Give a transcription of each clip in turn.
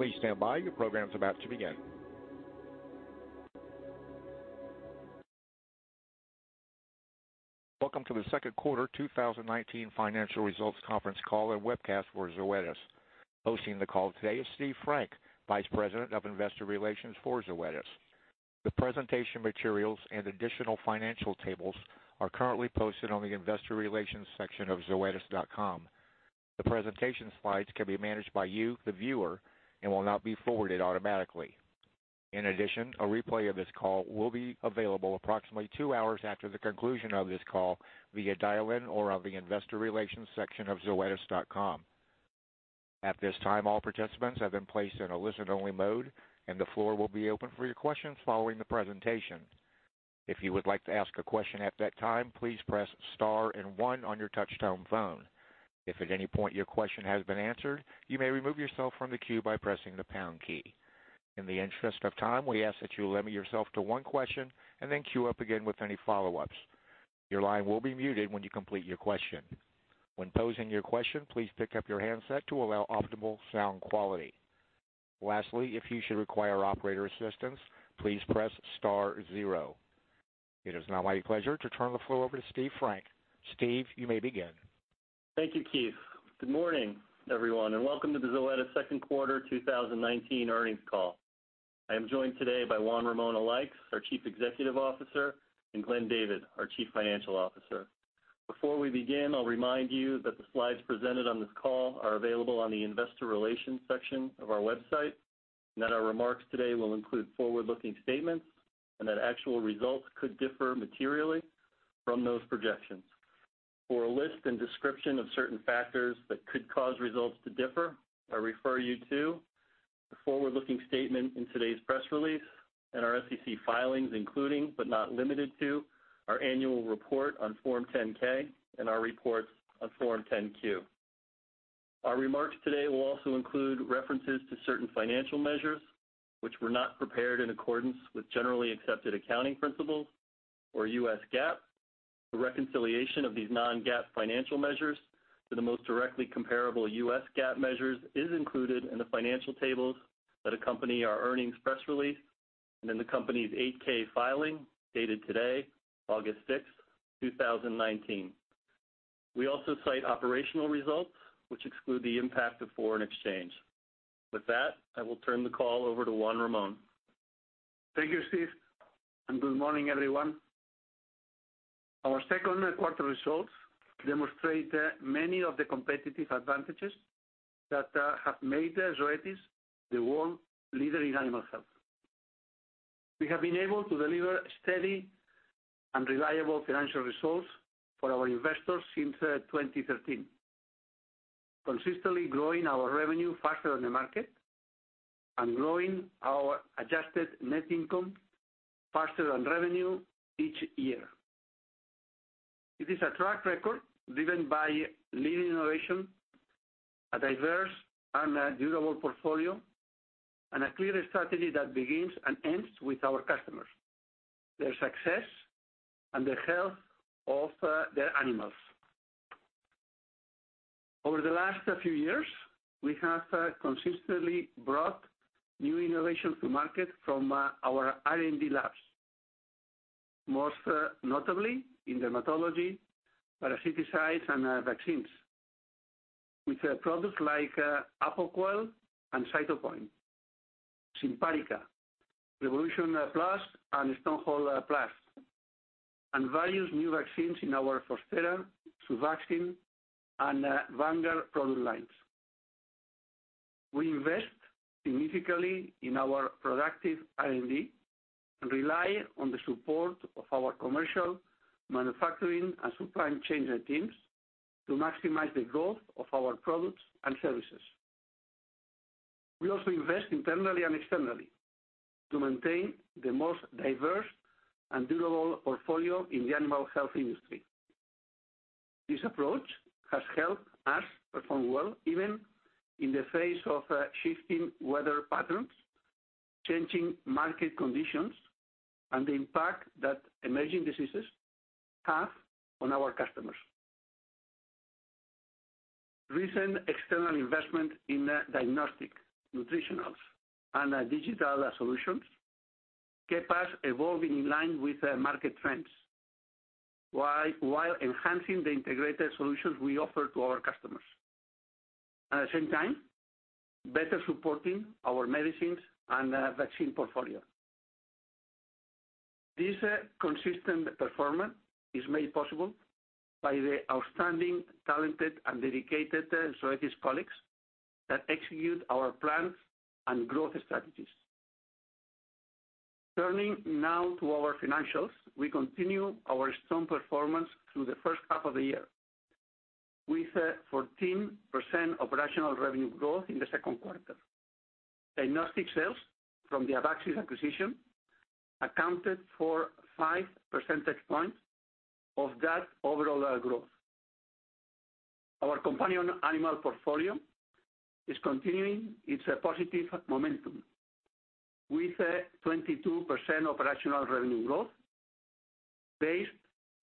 Please stand by. Your program is about to begin. Welcome to the second quarter 2019 financial results conference call and webcast for Zoetis. Hosting the call today is Steve Frank, Vice President of Investor Relations for Zoetis. The presentation materials and additional financial tables are currently posted on the investor relations section of zoetis.com. The presentation slides can be managed by you, the viewer, and will not be forwarded automatically. In addition, a replay of this call will be available approximately two hours after the conclusion of this call via dial-in or on the investor relations section of zoetis.com. At this time, all participants have been placed in a listen-only mode, and the floor will be open for your questions following the presentation. If you would like to ask a question at that time, please press star and one on your touch-tone phone. If at any point your question has been answered, you may remove yourself from the queue by pressing the pound key. In the interest of time, we ask that you limit yourself to one question and then queue up again with any follow-ups. Your line will be muted when you complete your question. When posing your question, please pick up your handset to allow optimal sound quality. Lastly, if you should require operator assistance, please press star zero. It is now my pleasure to turn the floor over to Steve Frank. Steve, you may begin. Thank you, Keith. Good morning, everyone. Welcome to the Zoetis second quarter 2019 earnings call. I am joined today by Juan Ramón Alaix, our Chief Executive Officer, and Glenn David, our Chief Financial Officer. Before we begin, I'll remind you that the slides presented on this call are available on the investor relations section of our website. Our remarks today will include forward-looking statements and actual results could differ materially from those projections. For a list and description of certain factors that could cause results to differ, I refer you to the forward-looking statement in today's press release and our SEC filings, including, but not limited to, our annual report on Form 10-K and our reports on Form 10-Q. Our remarks today will also include references to certain financial measures which were not prepared in accordance with generally accepted accounting principles or U.S. GAAP. The reconciliation of these non-GAAP financial measures to the most directly comparable U.S. GAAP measures is included in the financial tables that accompany our earnings press release, and in the company's 8-K filing dated today, August sixth, 2019. We also cite operational results which exclude the impact of foreign exchange. With that, I will turn the call over to Juan Ramón. Thank you, Steve, and good morning, everyone. Our second quarter results demonstrate many of the competitive advantages that have made Zoetis the world leader in animal health. We have been able to deliver steady and reliable financial results for our investors since 2013, consistently growing our revenue faster than the market and growing our adjusted net income faster than revenue each year. It is a track record driven by leading innovation, a diverse and durable portfolio, and a clear strategy that begins and ends with our customers, their success, and the health of their animals. Over the last few years, we have consistently brought new innovations to market from our R&D labs. Most notably in dermatology, parasiticides, and vaccines. With products like Apoquel and Cytopoint, Simparica, Revolution Plus, and Stronghold Plus, and various new vaccines in our Fostera, Suvaxyn, and Vanguard product lines. We invest significantly in our productive R&D and rely on the support of our commercial, manufacturing, and supply chain teams to maximize the growth of our products and services. We also invest internally and externally to maintain the most diverse and durable portfolio in the animal health industry. This approach has helped us perform well, even in the face of shifting weather patterns, changing market conditions, and the impact that emerging diseases have on our customers. Recent external investment in diagnostic, nutritionals, and digital solutions kept us evolving in line with market trends, while enhancing the integrated solutions we offer to our customers, at the same time, better supporting our medicines and vaccine portfolio. This consistent performance is made possible by the outstanding, talented, and dedicated Zoetis colleagues that execute our plans and growth strategies. Turning now to our financials. We continue our strong performance through the first half of the year. With 14% operational revenue growth in the second quarter. Diagnostic sales from the Abaxis acquisition accounted for five percentage points of that overall growth. Our companion animal portfolio is continuing its positive momentum with 22% operational revenue growth, based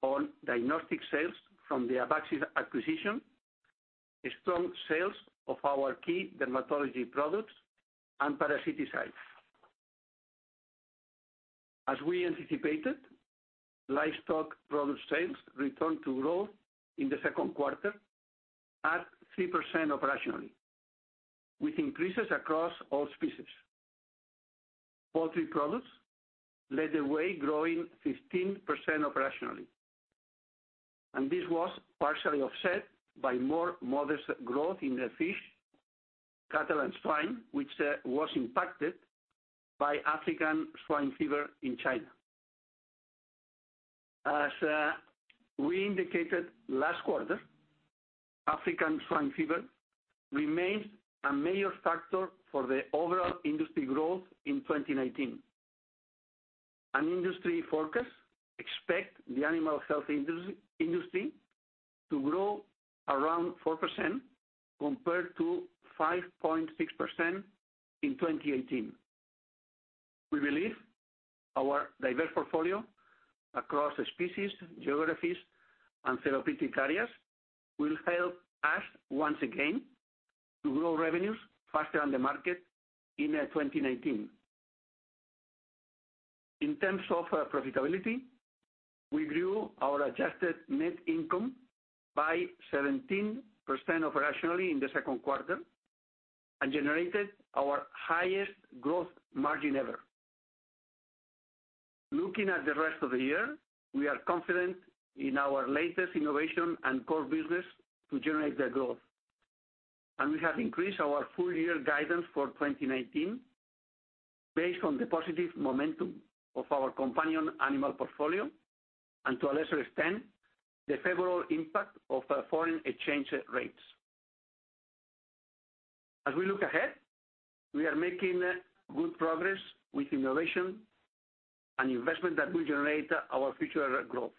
on diagnostic sales from the Abaxis acquisition, strong sales of our key dermatology products and parasiticides. As we anticipated, livestock product sales returned to growth in the second quarter at 3% operationally, with increases across all species. Poultry products led the way, growing 15% operationally, and this was partially offset by more modest growth in fish, cattle, and swine, which was impacted by African swine fever in China. As we indicated last quarter, African swine fever remains a major factor for the overall industry growth in 2019. Industry forecasts expect the animal health industry to grow around 4% compared to 5.6% in 2018. We believe our diverse portfolio across species, geographies, and therapeutic areas will help us once again to grow revenues faster than the market in 2019. In terms of profitability, we grew our adjusted net income by 17% operationally in the second quarter and generated our highest gross margin ever. Looking at the rest of the year, we are confident in our latest innovation and core business to generate the growth. We have increased our full-year guidance for 2019 based on the positive momentum of our companion animal portfolio and, to a lesser extent, the favorable impact of foreign exchange rates. As we look ahead, we are making good progress with innovation and investment that will generate our future growth.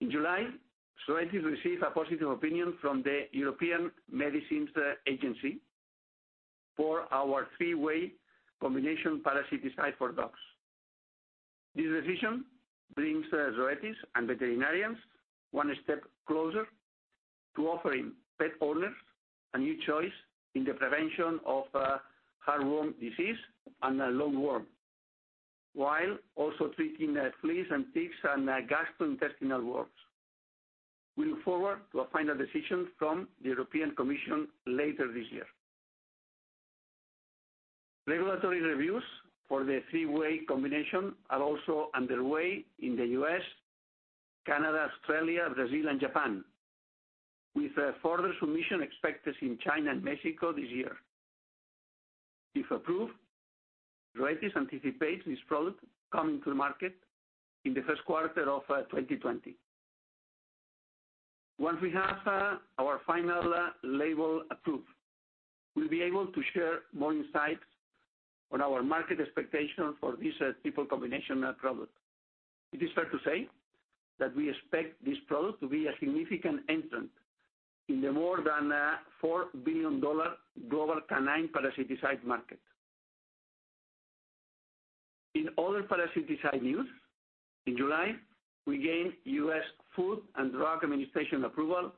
In July, Zoetis received a positive opinion from the European Medicines Agency for our three-way combination parasiticide for dogs. This decision brings Zoetis and veterinarians one step closer to offering pet owners a new choice in the prevention of heartworm disease and lungworm, while also treating fleas and ticks and gastrointestinal worms. We look forward to a final decision from the European Commission later this year. Regulatory reviews for the three-way combination are also underway in the U.S., Canada, Australia, Brazil, and Japan, with further submission expected in China and Mexico this year. If approved, Zoetis anticipates this product coming to market in the first quarter of 2020. Once we have our final label approved, we'll be able to share more insights on our market expectation for this triple combination product. It is fair to say that we expect this product to be a significant entrant in the more than $4 billion global canine parasiticide market. In other parasiticide news, in July, we gained U.S. Food and Drug Administration approval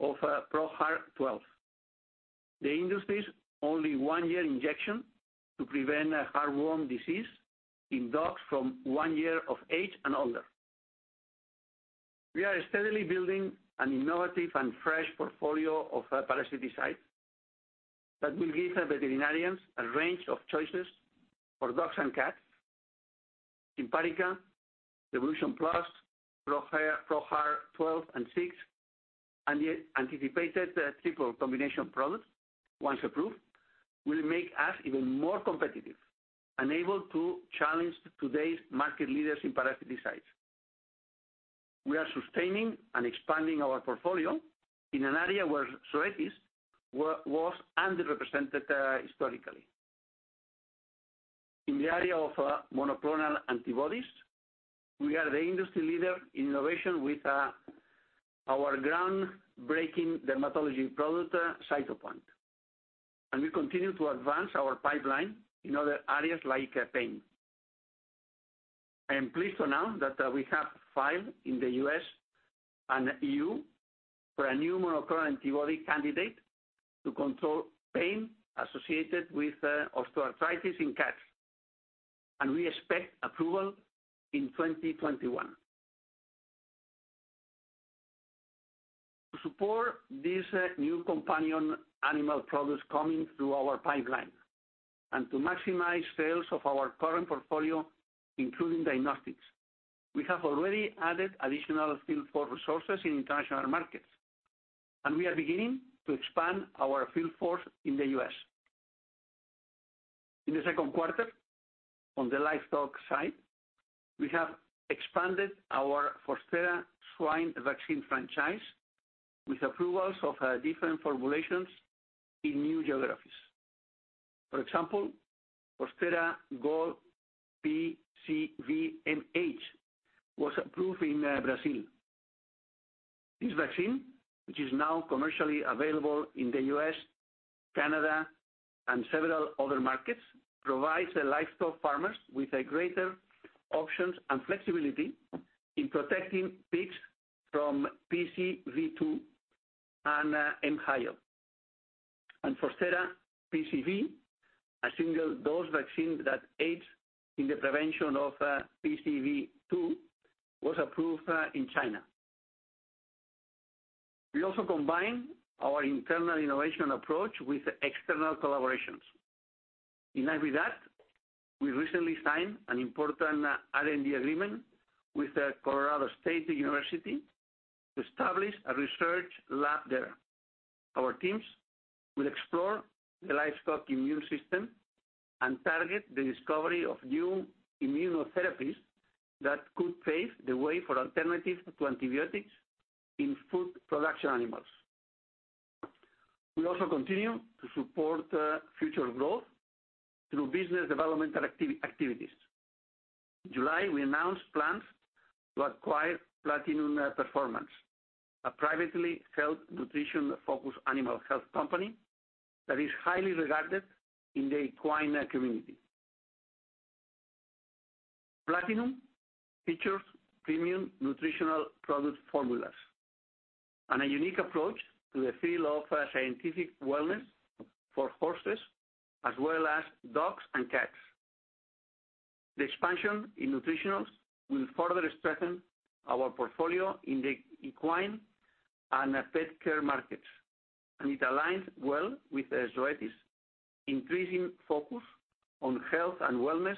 of ProHeart 12, the industry's only one-year injection to prevent heartworm disease in dogs from one year of age and older. We are steadily building an innovative and fresh portfolio of parasiticides that will give veterinarians a range of choices for dogs and cats. Simparica, Revolution Plus, ProHeart 12 and 6, and the anticipated triple combination product, once approved, will make us even more competitive and able to challenge today's market leaders in parasiticides. We are sustaining and expanding our portfolio in an area where Zoetis was underrepresented historically. In the area of monoclonal antibodies, we are the industry leader in innovation with our groundbreaking dermatology product, Cytopoint, and we continue to advance our pipeline in other areas like pain. I am pleased to announce that we have filed in the U.S. and EU for a new monoclonal antibody candidate to control pain associated with osteoarthritis in cats, and we expect approval in 2021. To support these new companion animal products coming through our pipeline and to maximize sales of our current portfolio, including diagnostics, we have already added additional field force resources in international markets, and we are beginning to expand our field force in the U.S. In the second quarter, on the livestock side, we have expanded our Fostera swine vaccine franchise with approvals of different formulations in new geographies. For example, Fostera Gold PCV MH was approved in Brazil. This vaccine, which is now commercially available in the U.S., Canada, and several other markets, provides the livestock farmers with greater options and flexibility in protecting pigs from PCV2 and M. hyo. Fostera PCV, a single-dose vaccine that aids in the prevention of PCV2, was approved in China. We also combine our internal innovation approach with external collaborations. In line with that, we recently signed an important R&D agreement with the Colorado State University to establish a research lab there. Our teams will explore the livestock immune system and target the discovery of new immunotherapies that could pave the way for alternatives to antibiotics in food production animals. We'll also continue to support future growth through business development activities. In July, we announced plans to acquire Platinum Performance, a privately held nutrition-focused animal health company that is highly regarded in the equine community. Platinum features premium nutritional product formulas and a unique approach to the field of scientific wellness for horses, as well as dogs and cats. The expansion in Nutritionals will further strengthen our portfolio in the equine and pet care markets, and it aligns well with Zoetis' increasing focus on health and wellness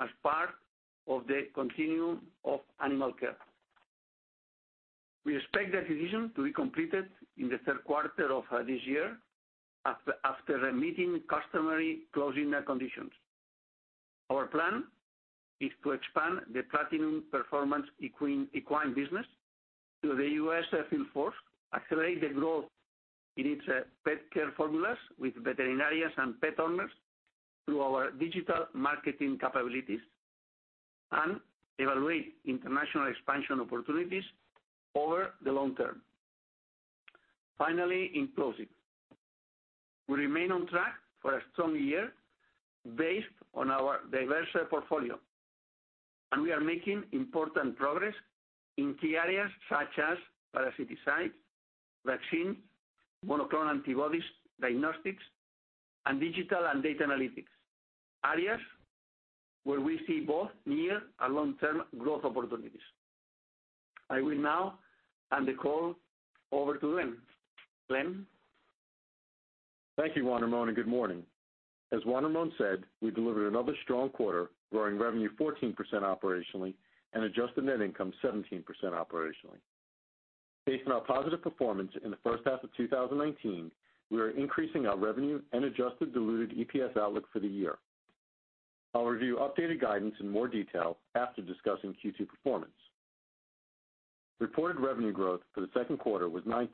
as part of the continuum of animal care. We expect the acquisition to be completed in the third quarter of this year after meeting customary closing conditions. Our plan is to expand the Platinum Performance equine business to the U.S. field force, accelerate the growth in its pet care formulas with veterinarians and pet owners through our digital marketing capabilities and evaluate international expansion opportunities over the long term. Finally, in closing, we remain on track for a strong year based on our diverse portfolio. We are making important progress in key areas such as parasiticides, vaccines, monoclonal antibodies, diagnostics, and digital and data analytics, areas where we see both near and long-term growth opportunities. I will now hand the call over to Glenn. Glenn? Thank you, Juan Ramón, and good morning. As Juan Ramón said, we delivered another strong quarter, growing revenue 14% operationally and adjusted net income 17% operationally. Based on our positive performance in the first half of 2019, we are increasing our revenue and adjusted diluted EPS outlook for the year. I'll review updated guidance in more detail after discussing Q2 performance. Reported revenue growth for the second quarter was 9%,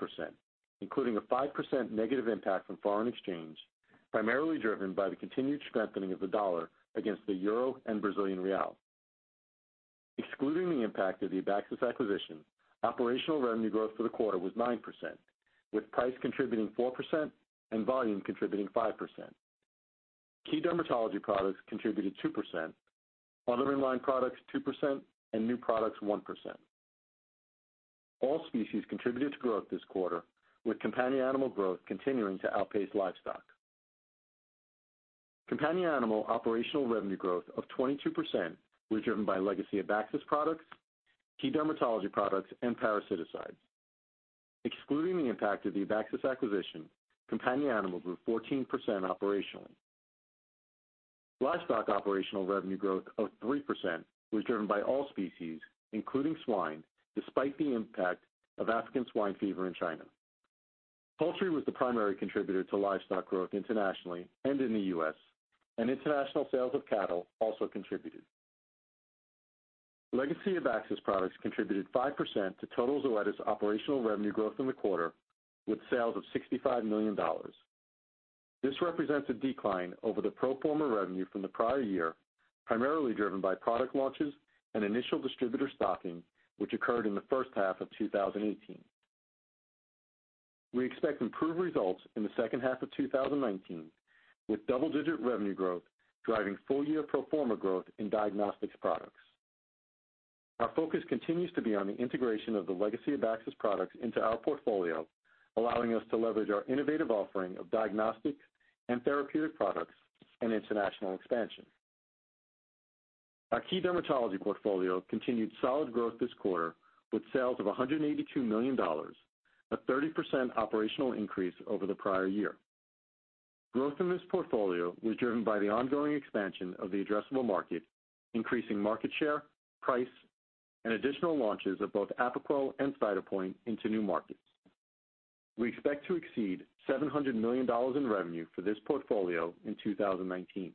including a 5% negative impact from foreign exchange, primarily driven by the continued strengthening of the dollar against the euro and Brazilian real. Excluding the impact of the Abaxis acquisition, operational revenue growth for the quarter was 9%, with price contributing 4% and volume contributing 5%. Key dermatology products contributed 2%, other in-line products 2%, and new products 1%. All species contributed to growth this quarter, with companion animal growth continuing to outpace livestock. Companion animal operational revenue growth of 22% was driven by legacy Abaxis products, key dermatology products, and parasiticides. Excluding the impact of the Abaxis acquisition, companion animal grew 14% operationally. Livestock operational revenue growth of 3% was driven by all species, including swine, despite the impact of African swine fever in China. Poultry was the primary contributor to livestock growth internationally and in the U.S., and international sales of cattle also contributed. Legacy Abaxis products contributed 5% to total Zoetis operational revenue growth in the quarter, with sales of $65 million. This represents a decline over the pro forma revenue from the prior year, primarily driven by product launches and initial distributor stocking, which occurred in the first half of 2018. We expect improved results in the second half of 2019, with double-digit revenue growth driving full-year pro forma growth in diagnostics products. Our focus continues to be on the integration of the legacy Abaxis products into our portfolio, allowing us to leverage our innovative offering of diagnostic and therapeutic products and international expansion. Our key dermatology portfolio continued solid growth this quarter with sales of $182 million, a 30% operational increase over the prior year. Growth in this portfolio was driven by the ongoing expansion of the addressable market, increasing market share, price, and additional launches of both Apoquel and Cytopoint into new markets. We expect to exceed $700 million in revenue for this portfolio in 2019.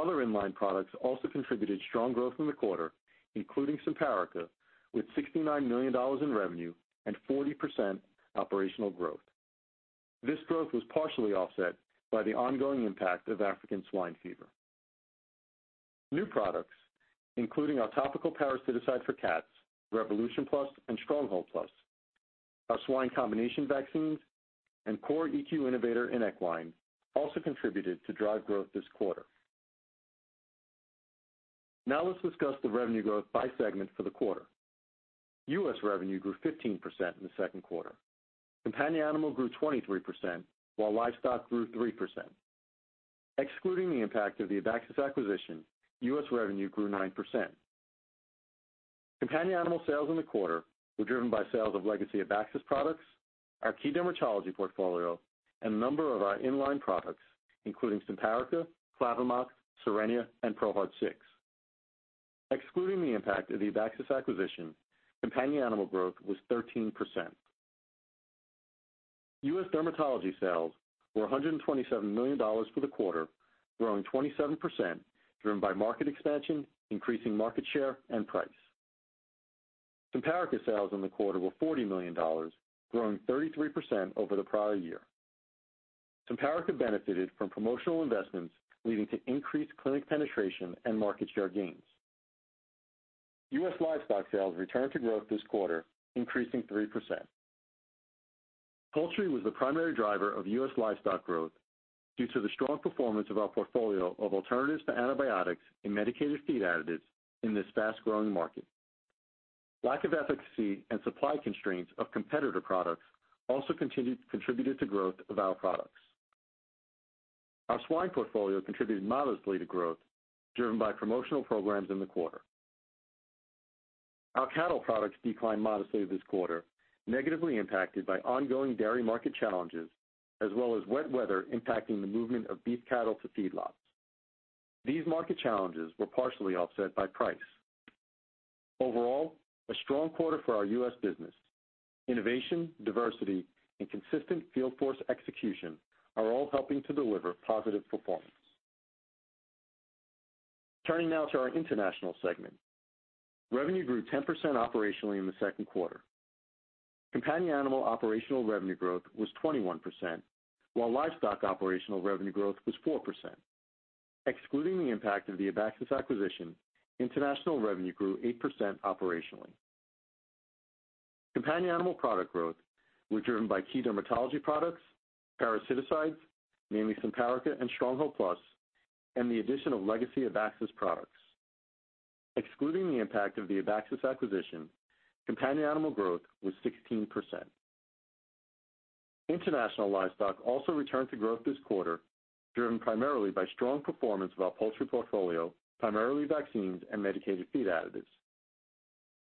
Other in-line products also contributed strong growth in the quarter, including Simparica, with $69 million in revenue and 40% operational growth. This growth was partially offset by the ongoing impact of African swine fever. New products, including our topical parasiticides for cats, Revolution Plus and Stronghold Plus, our swine combination vaccines, and Core EQ Innovator in equine also contributed to drive growth this quarter. Let's discuss the revenue growth by segment for the quarter. U.S. revenue grew 15% in the second quarter. Companion animal grew 23%, while livestock grew 3%. Excluding the impact of the Abaxis acquisition, U.S. revenue grew 9%. Companion animal sales in the quarter were driven by sales of legacy Abaxis products, our key dermatology portfolio, and a number of our in-line products, including Simparica, Clavamox, Cerenia, and ProHeart 6. Excluding the impact of the Abaxis acquisition, companion animal growth was 13%. U.S. dermatology sales were $127 million for the quarter, growing 27%, driven by market expansion, increasing market share, and price. Simparica sales in the quarter were $40 million, growing 33% over the prior year. Simparica benefited from promotional investments, leading to increased clinic penetration and market share gains. U.S. livestock sales returned to growth this quarter, increasing 3%. Poultry was the primary driver of U.S. livestock growth due to the strong performance of our portfolio of alternatives to antibiotics and medicated feed additives in this fast-growing market. Lack of efficacy and supply constraints of competitor products also contributed to growth of our products. Our swine portfolio contributed modestly to growth, driven by promotional programs in the quarter. Our cattle products declined modestly this quarter, negatively impacted by ongoing dairy market challenges, as well as wet weather impacting the movement of beef cattle to feedlots. These market challenges were partially offset by price. Overall, a strong quarter for our U.S. business. Innovation, diversity, and consistent field force execution are all helping to deliver positive performance. Turning now to our international segment. Revenue grew 10% operationally in the second quarter. Companion animal operational revenue growth was 21%, while livestock operational revenue growth was 4%. Excluding the impact of the Abaxis acquisition, international revenue grew 8% operationally. Companion animal product growth was driven by key dermatology products, parasiticides, namely Simparica and Stronghold Plus, and the addition of legacy Abaxis products. Excluding the impact of the Abaxis acquisition, companion animal growth was 16%. International livestock also returned to growth this quarter, driven primarily by strong performance of our poultry portfolio, primarily vaccines and medicated feed additives.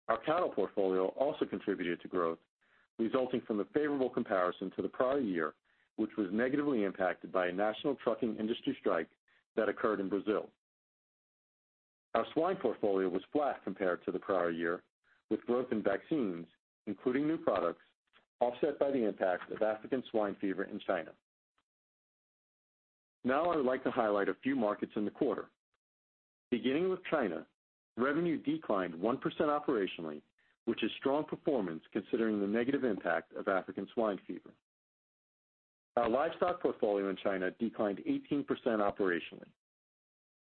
Our cattle portfolio also contributed to growth resulting from the favorable comparison to the prior year, which was negatively impacted by a national trucking industry strike that occurred in Brazil. Our swine portfolio was flat compared to the prior year, with growth in vaccines, including new products, offset by the impact of African swine fever in China. I would like to highlight a few markets in the quarter. Beginning with China, revenue declined 1% operationally, which is strong performance considering the negative impact of African swine fever. Our livestock portfolio in China declined 18% operationally.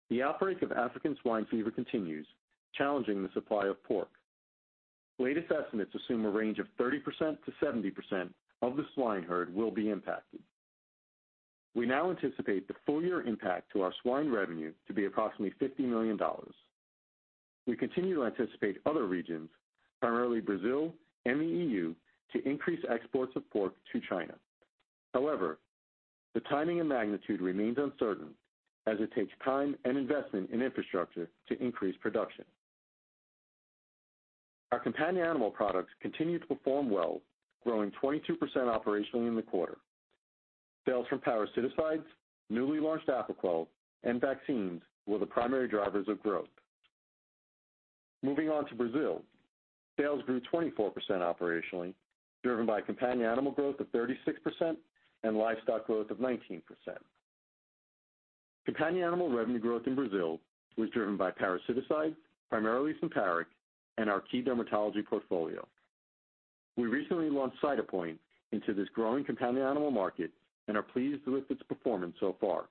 The outbreak of African swine fever continues, challenging the supply of pork. Latest estimates assume a range of 30%-70% of the swine herd will be impacted. We now anticipate the full-year impact to our swine revenue to be approximately $50 million. We continue to anticipate other regions, primarily Brazil and the EU, to increase exports of pork to China. The timing and magnitude remains uncertain as it takes time and investment in infrastructure to increase production. Our companion animal products continued to perform well, growing 22% operationally in the quarter. Sales from parasiticides, newly launched Apoquel, and vaccines were the primary drivers of growth. Moving on to Brazil. Sales grew 24% operationally, driven by companion animal growth of 36% and livestock growth of 19%. Companion animal revenue growth in Brazil was driven by parasiticides, primarily Simparica, and our key dermatology portfolio. We recently launched Cytopoint into this growing companion animal market and are pleased with its performance so far.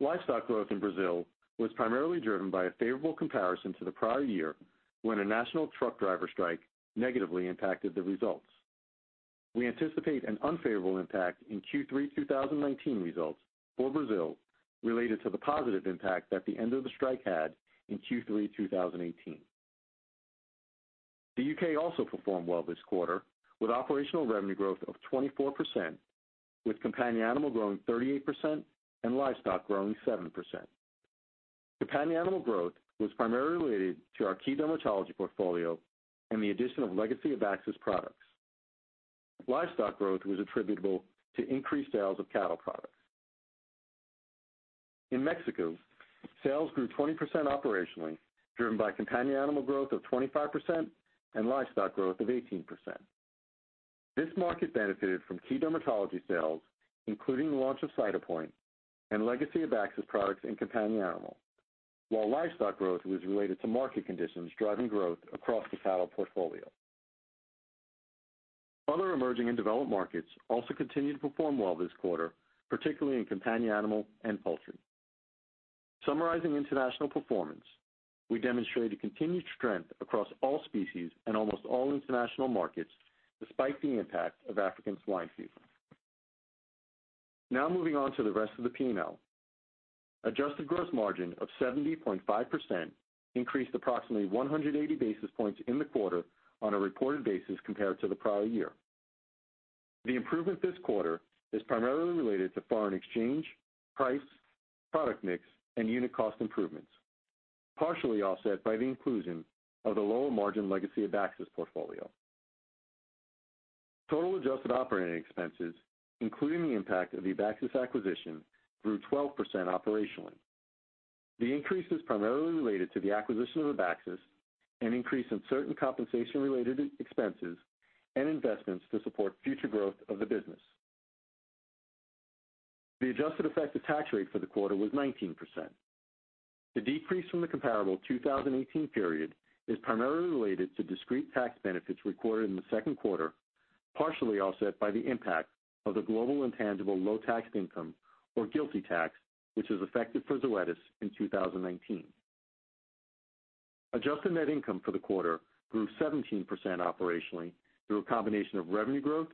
Livestock growth in Brazil was primarily driven by a favorable comparison to the prior year when a national truck driver strike negatively impacted the results. We anticipate an unfavorable impact in Q3 2019 results for Brazil related to the positive impact that the end of the strike had in Q3 2018. The U.K. also performed well this quarter with operational revenue growth of 24%, with companion animal growing 38% and livestock growing 7%. Companion animal growth was primarily related to our key dermatology portfolio and the addition of legacy Abaxis products. Livestock growth was attributable to increased sales of cattle products. In Mexico, sales grew 20% operationally, driven by companion animal growth of 25% and livestock growth of 18%. This market benefited from key dermatology sales, including the launch of Cytopoint and legacy Abaxis products in companion animal. Livestock growth was related to market conditions driving growth across the cattle portfolio. Other emerging and developed markets also continued to perform well this quarter, particularly in companion animal and poultry. Summarizing international performance, we demonstrated continued strength across all species and almost all international markets, despite the impact of African swine fever. Now moving on to the rest of the P&L. Adjusted gross margin of 70.5% increased approximately 180 basis points in the quarter on a reported basis compared to the prior year. The improvement this quarter is primarily related to foreign exchange, price, product mix, and unit cost improvements, partially offset by the inclusion of the lower margin legacy Abaxis portfolio. Total adjusted operating expenses, including the impact of the Abaxis acquisition, grew 12% operationally. The increase is primarily related to the acquisition of Abaxis, an increase in certain compensation-related expenses, and investments to support future growth of the business. The adjusted effective tax rate for the quarter was 19%. The decrease from the comparable 2018 period is primarily related to discrete tax benefits recorded in the second quarter, partially offset by the impact of the global intangible low taxed income or GILTI tax, which was effective for Zoetis in 2019. Adjusted net income for the quarter grew 17% operationally through a combination of revenue growth,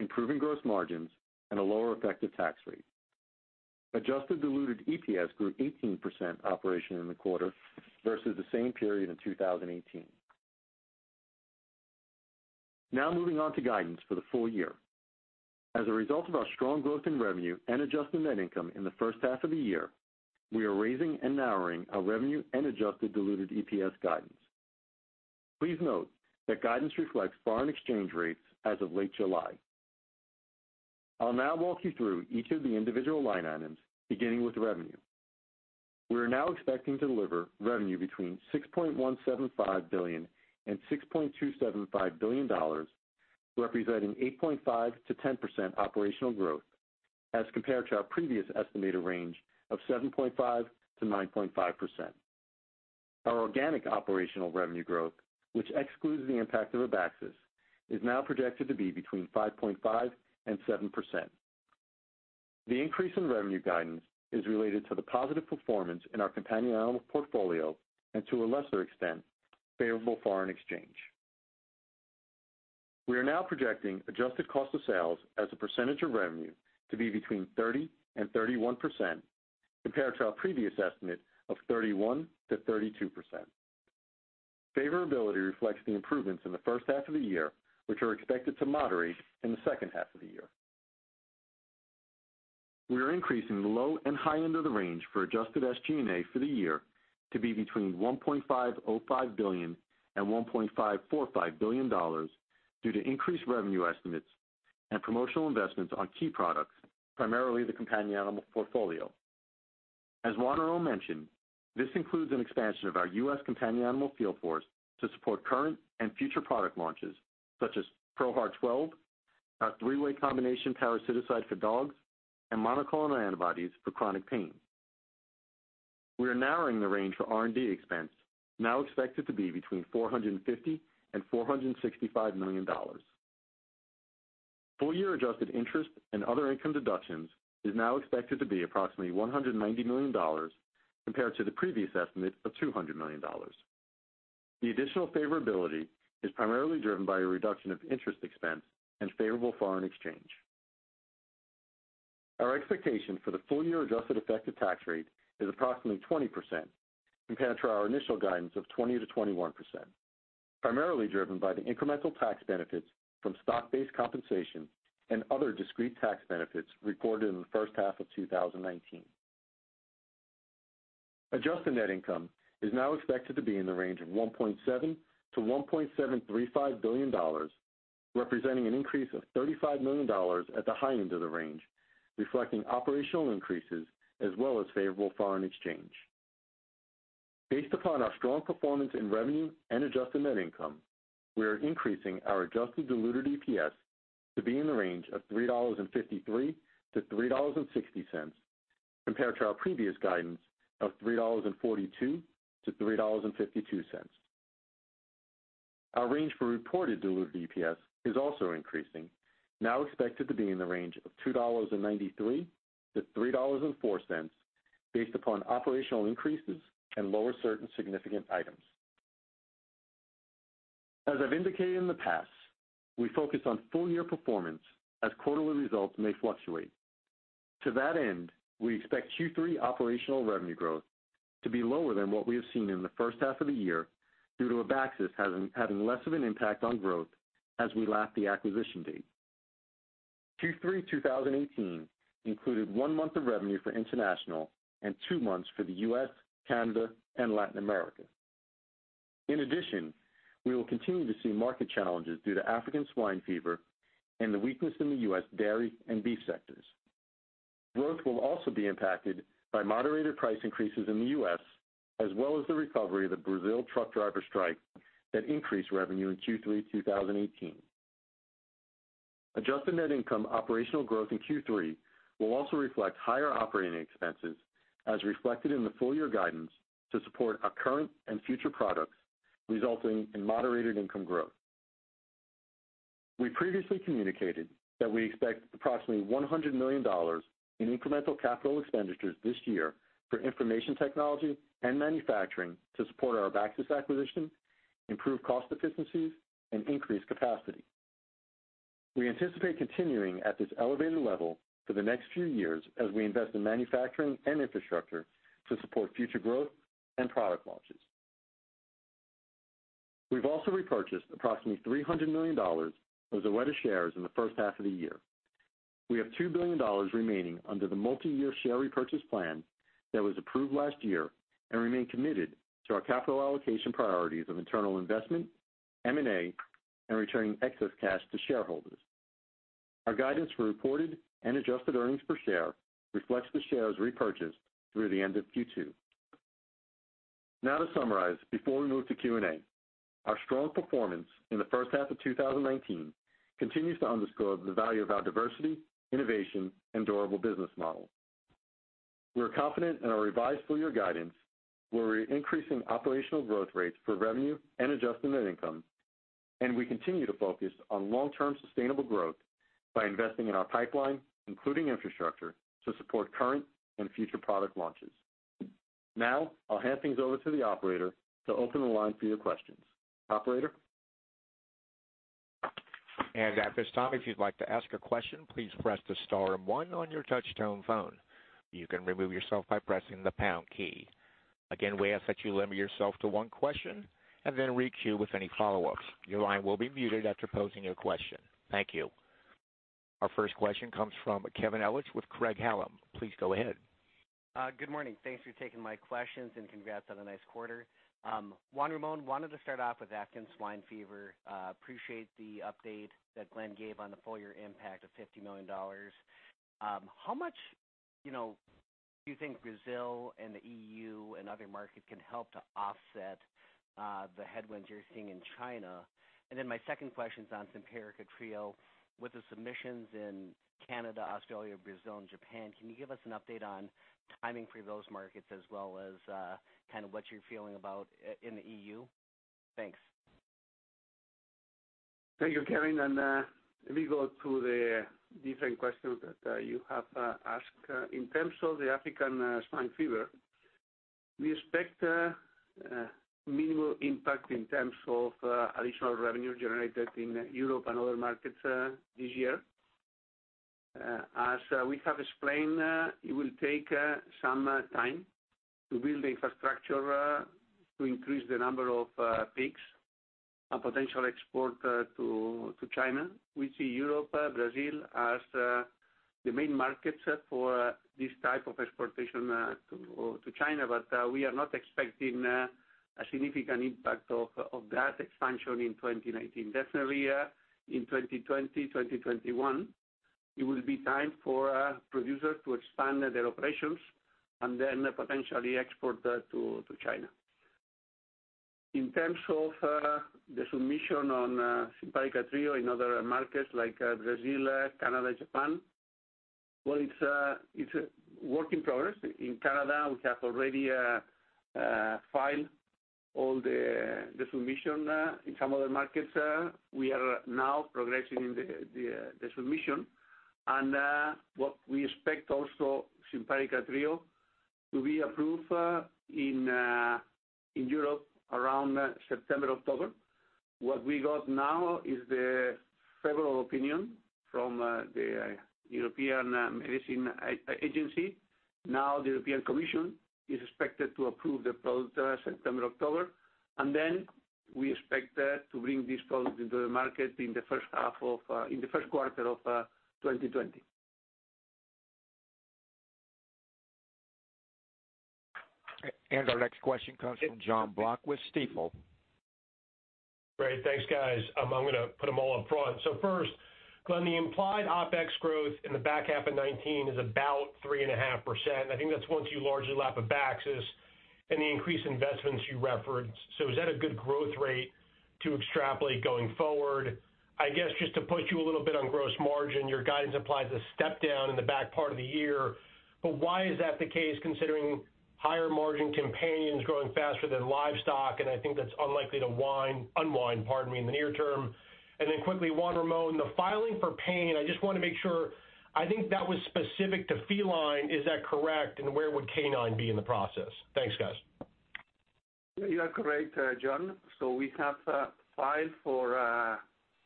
improving gross margins, and a lower effective tax rate. Adjusted diluted EPS grew 18% operation in the quarter versus the same period in 2018. Moving on to guidance for the full year. As a result of our strong growth in revenue and adjusted net income in the first half of the year, we are raising and narrowing our revenue and adjusted diluted EPS guidance. Please note that guidance reflects foreign exchange rates as of late July. I'll now walk you through each of the individual line items, beginning with revenue. We are now expecting to deliver revenue between $6.175 billion and $6.275 billion, representing 8.5%-10% operational growth as compared to our previous estimated range of 7.5%-9.5%. Our organic operational revenue growth, which excludes the impact of Abaxis, is now projected to be between 5.5% and 7%. The increase in revenue guidance is related to the positive performance in our companion animal portfolio and, to a lesser extent, favorable foreign exchange. We are now projecting adjusted cost of sales as a percentage of revenue to be between 30% and 31%, compared to our previous estimate of 31%-32%. Favorability reflects the improvements in the first half of the year, which are expected to moderate in the second half of the year. We are increasing the low and high end of the range for adjusted SG&A for the year to be between $1.505 billion and $1.545 billion dollars due to increased revenue estimates and promotional investments on key products, primarily the companion animal portfolio. As Juan Ramón mentioned, this includes an expansion of our U.S. companion animal field force to support current and future product launches such as ProHeart 12, our three-way combination parasiticide for dogs, and monoclonal antibodies for chronic pain. We are narrowing the range for R&D expense, now expected to be between $450 million and $465 million dollars. Full-year adjusted interest and other income deductions is now expected to be approximately $190 million compared to the previous estimate of $200 million. The additional favorability is primarily driven by a reduction of interest expense and favorable foreign exchange. Our expectation for the full-year adjusted effective tax rate is approximately 20% compared to our initial guidance of 20%-21%, primarily driven by the incremental tax benefits from stock-based compensation and other discrete tax benefits recorded in the first half of 2019. Adjusted net income is now expected to be in the range of $1.7 billion-$1.735 billion, representing an increase of $35 million at the high end of the range, reflecting operational increases as well as favorable foreign exchange. Based upon our strong performance in revenue and adjusted net income, we are increasing our adjusted diluted EPS to be in the range of $3.53-$3.60 compared to our previous guidance of $3.42-$3.52. Our range for reported diluted EPS is also increasing, now expected to be in the range of $2.93-$3.04 based upon operational increases and lower certain significant items. As I've indicated in the past, we focus on full-year performance as quarterly results may fluctuate. To that end, we expect Q3 operational revenue growth to be lower than what we have seen in the first half of the year due to Abaxis having less of an impact on growth as we lap the acquisition date. Q3 2018 included one month of revenue for international and two months for the U.S., Canada, and Latin America. In addition, we will continue to see market challenges due to African swine fever and the weakness in the U.S. dairy and beef sectors. Growth will also be impacted by moderated price increases in the U.S. as well as the recovery of the Brazil truck driver strike that increased revenue in Q3 2018. Adjusted net income operational growth in Q3 will also reflect higher operating expenses. As reflected in the full-year guidance to support our current and future products, resulting in moderated income growth. We previously communicated that we expect approximately $100 million in incremental capital expenditures this year for information technology and manufacturing to support our Abaxis acquisition, improve cost efficiencies, and increase capacity. We anticipate continuing at this elevated level for the next few years as we invest in manufacturing and infrastructure to support future growth and product launches. We've also repurchased approximately $300 million of Zoetis shares in the first half of the year. We have $2 billion remaining under the multi-year share repurchase plan that was approved last year and remain committed to our capital allocation priorities of internal investment, M&A, and returning excess cash to shareholders. Our guidance for reported and adjusted earnings per share reflects the shares repurchased through the end of Q2. To summarize, before we move to Q&A, our strong performance in the first half of 2019 continues to underscore the value of our diversity, innovation, and durable business model. We are confident in our revised full-year guidance, where we're increasing operational growth rates for revenue and adjusted net income. We continue to focus on long-term sustainable growth by investing in our pipeline, including infrastructure, to support current and future product launches. I'll hand things over to the operator to open the line for your questions. Operator? At this time, if you'd like to ask a question, please press the star and one on your touch-tone phone. You can remove yourself by pressing the pound key. Again, we ask that you limit yourself to one question and then re-queue with any follow-ups. Your line will be muted after posing your question. Thank you. Our first question comes from Kevin Ellich with Craig-Hallum. Please go ahead. Good morning. Thanks for taking my questions, and congrats on a nice quarter. Juan Ramón, I wanted to start off with African swine fever. Appreciate the update that Glenn gave on the full-year impact of $50 million. How much do you think Brazil and the EU and other markets can help to offset the headwinds you're seeing in China? My second question's on Simparica Trio. With the submissions in Canada, Australia, Brazil, and Japan, can you give us an update on timing for those markets as well as what you're feeling about in the EU? Thanks. Thank you, Kevin. Let me go through the different questions that you have asked. In terms of the African swine fever, we expect minimal impact in terms of additional revenue generated in Europe and other markets this year. As we have explained, it will take some time to build the infrastructure to increase the number of pigs and potential export to China. We see Europe, Brazil as the main markets for this type of exportation to China, but we are not expecting a significant impact of that expansion in 2019. Definitely in 2020, 2021, it will be time for producers to expand their operations and then potentially export to China. In terms of the submission on Simparica Trio in other markets like Brazil, Canada, Japan, well, it's a work in progress. In Canada, we have already filed all the submission. In some other markets, we are now progressing in the submission. What we expect also Simparica Trio to be approved in Europe around September, October. What we got now is the favorable opinion from the European Medicines Agency. The European Commission is expected to approve the product September, October. We expect to bring this product into the market in the first quarter of 2020. Our next question comes from Jon Block with Stifel. Great. Thanks, guys. I'm going to put them all up front. First, Glenn, the implied OpEx growth in the back half of 2019 is about 3.5%, and I think that's once you largely lap Abaxis and the increased investments you referenced. I guess, just to push you a little bit on gross margin, your guidance implies a step down in the back part of the year. Why is that the case, considering higher margin companions growing faster than livestock? I think that's unlikely to unwind, pardon me, in the near term. Quickly, Juan Ramon, the filing for pain, I just want to make sure, I think that was specific to feline. Is that correct? Where would canine be in the process? Thanks, guys. You are correct, Jon. We have filed for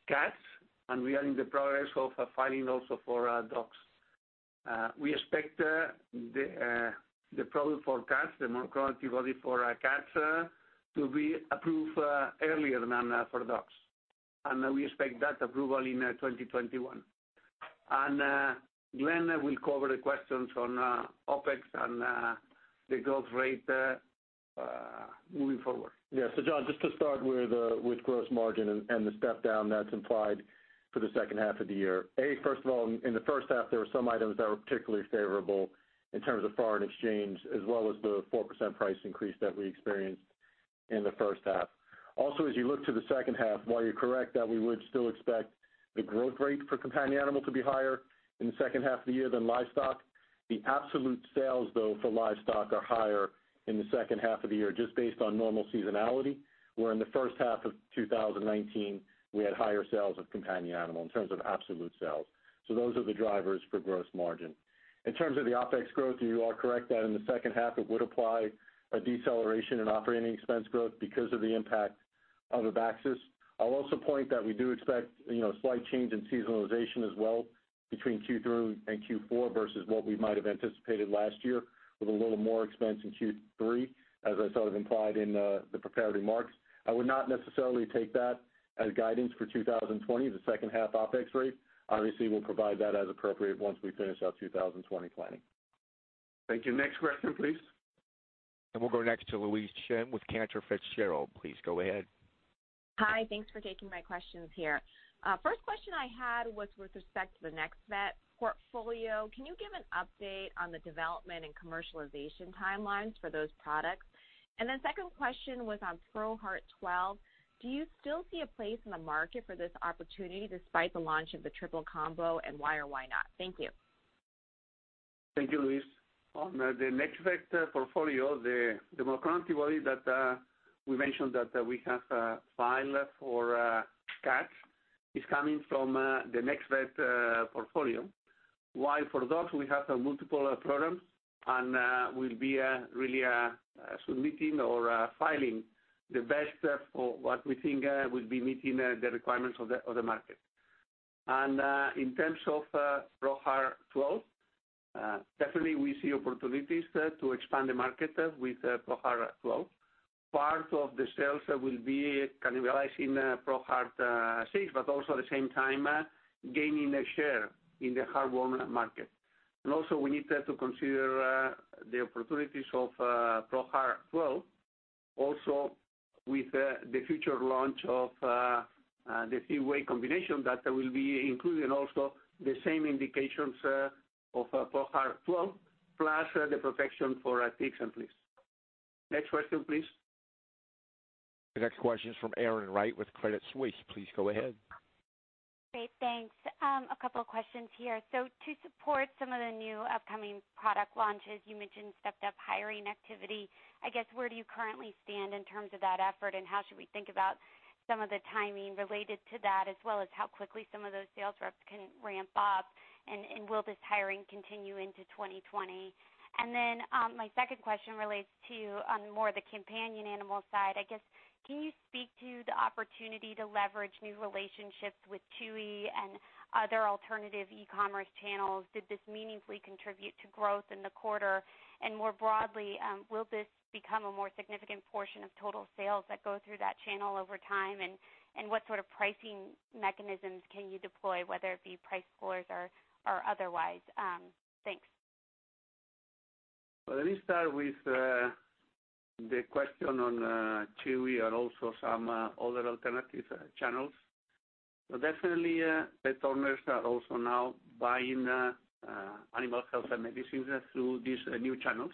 cats, and we are in the progress of filing also for dogs. We expect the product for cats, the monoclonal antibody for cats, to be approved earlier than for dogs. We expect that approval in 2021. Glenn will cover the questions on OpEx and the growth rate moving forward. Yeah. Jon, just to start with gross margin and the step down that's implied for the second half of the year. First of all, in the first half, there were some items that were particularly favorable in terms of foreign exchange, as well as the 4% price increase that we experienced. In the first half. As you look to the second half, while you're correct that we would still expect the growth rate for companion animal to be higher in the second half of the year than livestock, the absolute sales, though, for livestock are higher in the second half of the year, just based on normal seasonality, where in the first half of 2019, we had higher sales of companion animal in terms of absolute sales. Those are the drivers for gross margin. In terms of the OpEx growth, you are correct that in the second half, it would apply a deceleration in operating expense growth because of the impact of Abaxis. I'll also point that we do expect slight change in seasonalization as well between Q3 and Q4 versus what we might have anticipated last year with a little more expense in Q3, as I sort of implied in the prepared remarks. I would not necessarily take that as guidance for 2020, the second half OpEx rate. Obviously, we'll provide that as appropriate once we finish our 2020 planning. Thank you. Next question, please. We'll go next to Louise Chen with Cantor Fitzgerald. Please go ahead. Hi. Thanks for taking my questions here. First question I had was with respect to the Nexvet portfolio. Can you give an update on the development and commercialization timelines for those products? Second question was on ProHeart 12. Do you still see a place in the market for this opportunity despite the launch of the triple combo, and why or why not? Thank you. Thank you, Louise. On the Nexvet portfolio, the monoclonal antibody that we mentioned that we have filed for cats is coming from the Nexvet portfolio. While for dogs, we have multiple products and will be really submitting or filing the best for what we think will be meeting the requirements of the market. In terms of ProHeart 12, definitely we see opportunities to expand the market with ProHeart 12. Part of the sales will be cannibalizing ProHeart 6, but also at the same time, gaining a share in the heartworm market. Also, we need to consider the opportunities of ProHeart 12 also with the future launch of the three-way combination that will be included and also the same indications of ProHeart 12, plus the protection for ticks and fleas. Next question, please. The next question is from Erin Wright with Credit Suisse. Please go ahead. Great, thanks. A couple of questions here. To support some of the new upcoming product launches, you mentioned stepped-up hiring activity. I guess, where do you currently stand in terms of that effort, and how should we think about some of the timing related to that, as well as how quickly some of those sales reps can ramp up, and will this hiring continue into 2020? My second question relates to on more the companion animal side, I guess, can you speak to the opportunity to leverage new relationships with Chewy and other alternative e-commerce channels? Did this meaningfully contribute to growth in the quarter? More broadly, will this become a more significant portion of total sales that go through that channel over time, and what sort of pricing mechanisms can you deploy, whether it be price floors or otherwise? Thanks. Let me start with the question on Chewy and also some other alternative channels. Definitely, pet owners are also now buying animal health and medicines through these new channels,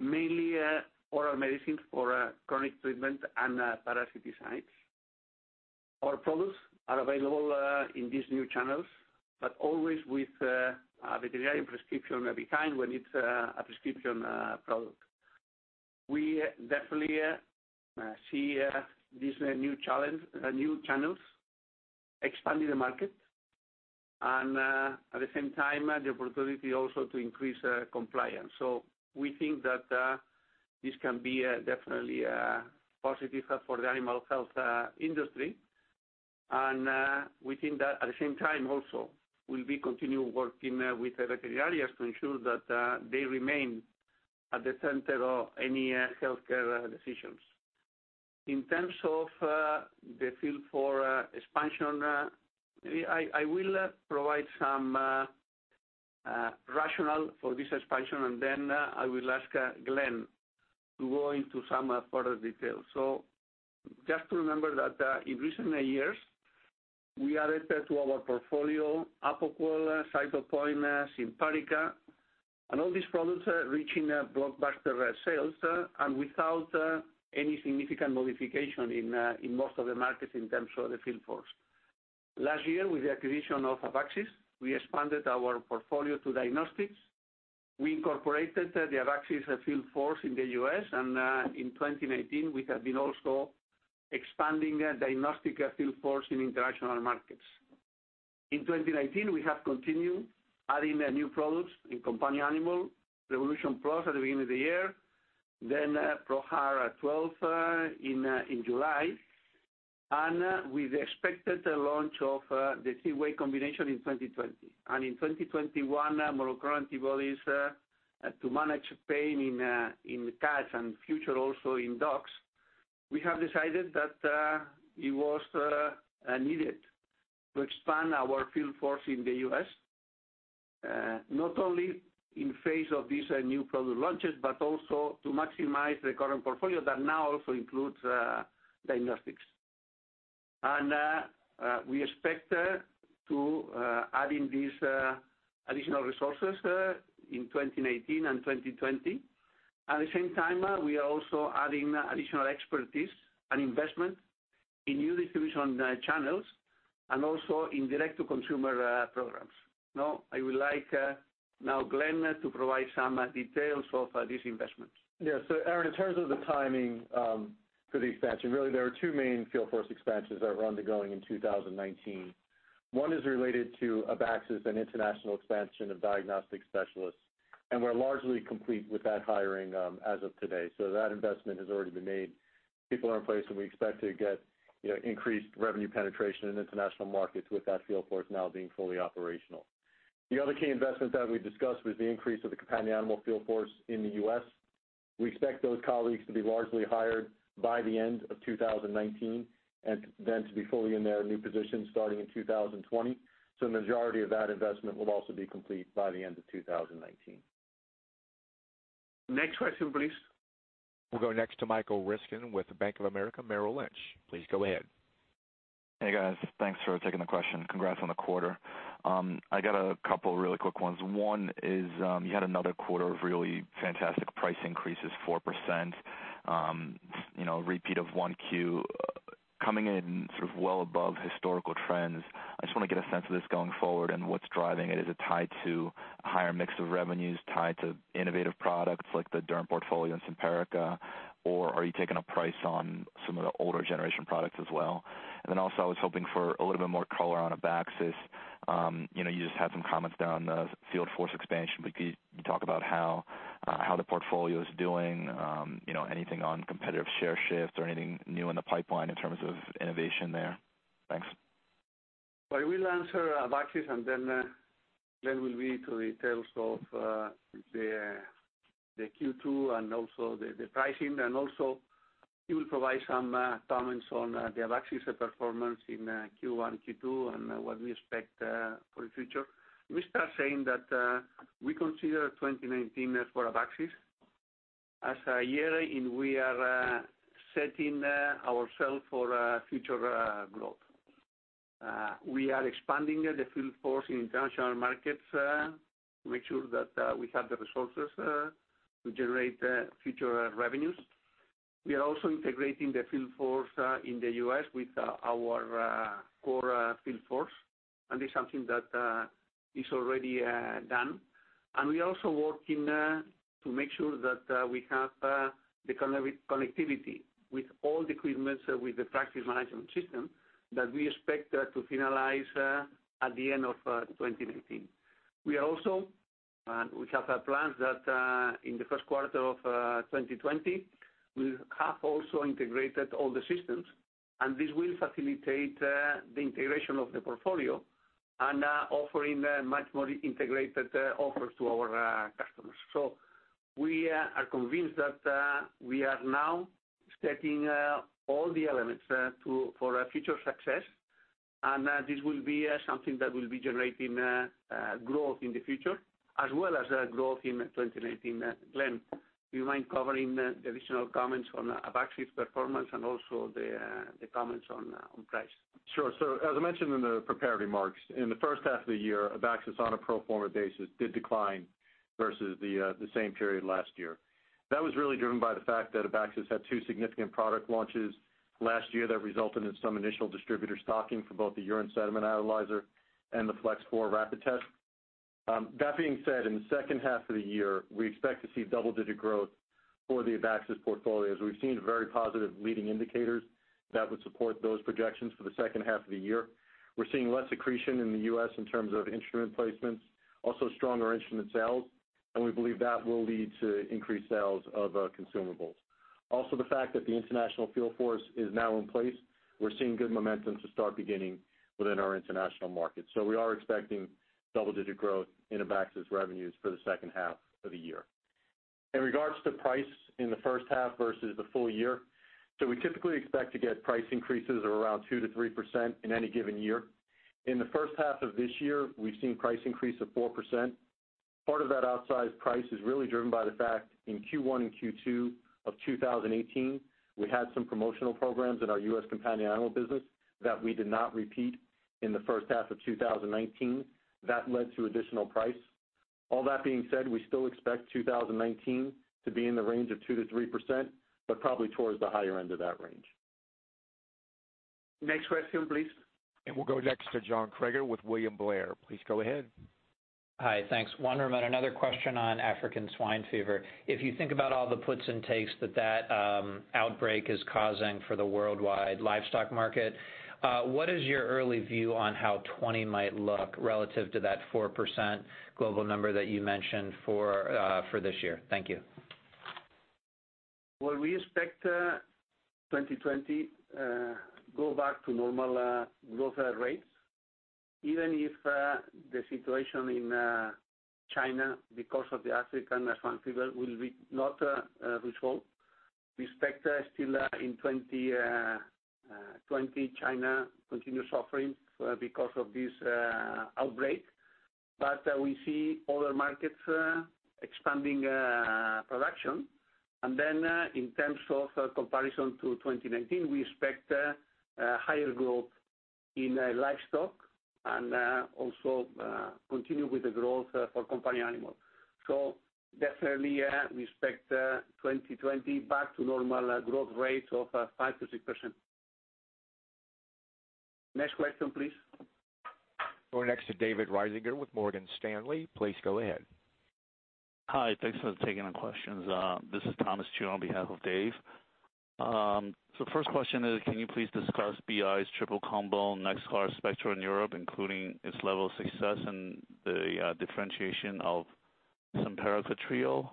mainly oral medicines for chronic treatment and parasiticides. Our products are available in these new channels, but always with a veterinarian prescription behind when it's a prescription product. We definitely see these new channels expanding the market, and at the same time, the opportunity also to increase compliance. We think that this can be definitely positive for the animal health industry. We think that at the same time also, we'll be continuing working with the veterinarians to ensure that they remain at the center of any healthcare decisions. In terms of the field force expansion, I will provide some rationale for this expansion, and then I will ask Glenn to go into some further details. just to remember that in recent years, we added to our portfolio Apoquel, Cytopoint, Simparica, and all these products are reaching blockbuster sales and without any significant modification in most of the markets in terms of the field force. Last year, with the acquisition of Abaxis, we expanded our portfolio to diagnostics. We incorporated the Abaxis field force in the U.S., and in 2019, we have been also expanding diagnostic field force in international markets. In 2019, we have continued adding new products in companion animal, Revolution Plus at the beginning of the year, then ProHeart 12 in July. With expected launch of the three-way combination in 2020. In 2021, monoclonal antibodies to manage pain in cats and future also in dogs. We have decided that it was needed to expand our field force in the U.S., not only in face of these new product launches, but also to maximize the current portfolio that now also includes diagnostics. We expect to add in these additional resources in 2019 and 2020. At the same time, we are also adding additional expertise and investment in new distribution channels and also in direct-to-consumer programs. I would like now Glenn to provide some details of these investments. Yes. Erin, in terms of the timing for the expansion, really there are two main field force expansions that are undergoing in 2019. One is related to Abaxis and international expansion of diagnostic specialists, and we're largely complete with that hiring as of today. That investment has already been made. People are in place, and we expect to get increased revenue penetration in international markets with that field force now being fully operational. The other key investment that we've discussed was the increase of the companion animal field force in the U.S. We expect those colleagues to be largely hired by the end of 2019 and then to be fully in their new positions starting in 2020. The majority of that investment will also be complete by the end of 2019. Next question, please. We'll go next to Michael Ryskin with Bank of America Merrill Lynch. Please go ahead. Hey, guys. Thanks for taking the question. Congrats on the quarter. I got a couple of really quick ones. One is, you had another quarter of really fantastic price increases, 4%, repeat of 1Q, coming in sort of well above historical trends. I just want to get a sense of this going forward and what's driving it. Is it tied to a higher mix of revenues, tied to innovative products like the Derm portfolio and Simparica, or are you taking a price on some of the older generation products as well? Then also, I was hoping for a little bit more color on Abaxis. You just had some comments there on the field force expansion, but could you talk about how the portfolio is doing, anything on competitive share shift or anything new in the pipeline in terms of innovation there? Thanks. I will answer Abaxis, and then Glenn will read the details of the Q2 and also the pricing. Also he will provide some comments on the Abaxis performance in Q1, Q2, and what we expect for the future. Let me start saying that we consider 2019 for Abaxis as a year in we are setting ourself for future growth. We are expanding the field force in international markets to make sure that we have the resources to generate future revenues. We are also integrating the field force in the U.S. with our core field force, and it's something that is already done. We're also working to make sure that we have the connectivity with all the equipments, with the practice management system, that we expect to finalize at the end of 2019. We have plans that in the first quarter of 2020, we'll have also integrated all the systems. This will facilitate the integration of the portfolio and offering much more integrated offers to our customers. We are convinced that we are now setting all the elements for our future success, and this will be something that will be generating growth in the future as well as growth in 2019. Glenn, do you mind covering the additional comments on Abaxis performance and also the comments on price? Sure. As I mentioned in the prepared remarks, in the first half of the year, Abaxis, on a pro forma basis, did decline versus the same period last year. That was really driven by the fact that Abaxis had two significant product launches last year that resulted in some initial distributor stocking for both the urine sediment analyzer and the Flex 4 Rapid Test. That being said, in the second half of the year, we expect to see double-digit growth for the Abaxis portfolio, as we've seen very positive leading indicators that would support those projections for the second half of the year. We're seeing less accretion in the U.S. in terms of instrument placements, also stronger instrument sales, and we believe that will lead to increased sales of consumables. The fact that the international field force is now in place, we're seeing good momentum to start beginning within our international markets. We are expecting double-digit growth in Abaxis revenues for the second half of the year. In regards to price in the first half versus the full year, so we typically expect to get price increases of around 2%-3% in any given year. In the first half of this year, we've seen price increase of 4%. Part of that outsized price is really driven by the fact in Q1 and Q2 of 2018, we had some promotional programs in our U.S. companion animal business that we did not repeat in the first half of 2019. That led to additional price. All that being said, we still expect 2019 to be in the range of 2%-3%, but probably towards the higher end of that range. Next question, please. We'll go next to Jon Kreger with William Blair. Please go ahead. Hi, thanks. Juan Ramón, another question on African swine fever. If you think about all the puts and takes that that outbreak is causing for the worldwide livestock market, what is your early view on how 2020 might look relative to that 4% global number that you mentioned for this year? Thank you. Well, we expect 2020 go back to normal growth rates, even if the situation in China because of the African swine fever will be not resolved. We expect still in 2020, China continue suffering because of this outbreak. We see other markets expanding production. In terms of comparison to 2019, we expect higher growth in livestock and also continue with the growth for companion animal. Definitely, we expect 2020 back to normal growth rate of 5%-6%. Next question, please. We're next to David Risinger with Morgan Stanley. Please go ahead. Hi. Thanks for taking the questions. This is Thomas Chu on behalf of Dave. First question is, can you please discuss BI's triple combo NexGard SPECTRA in Europe, including its level of success and the differentiation of Simparica Trio?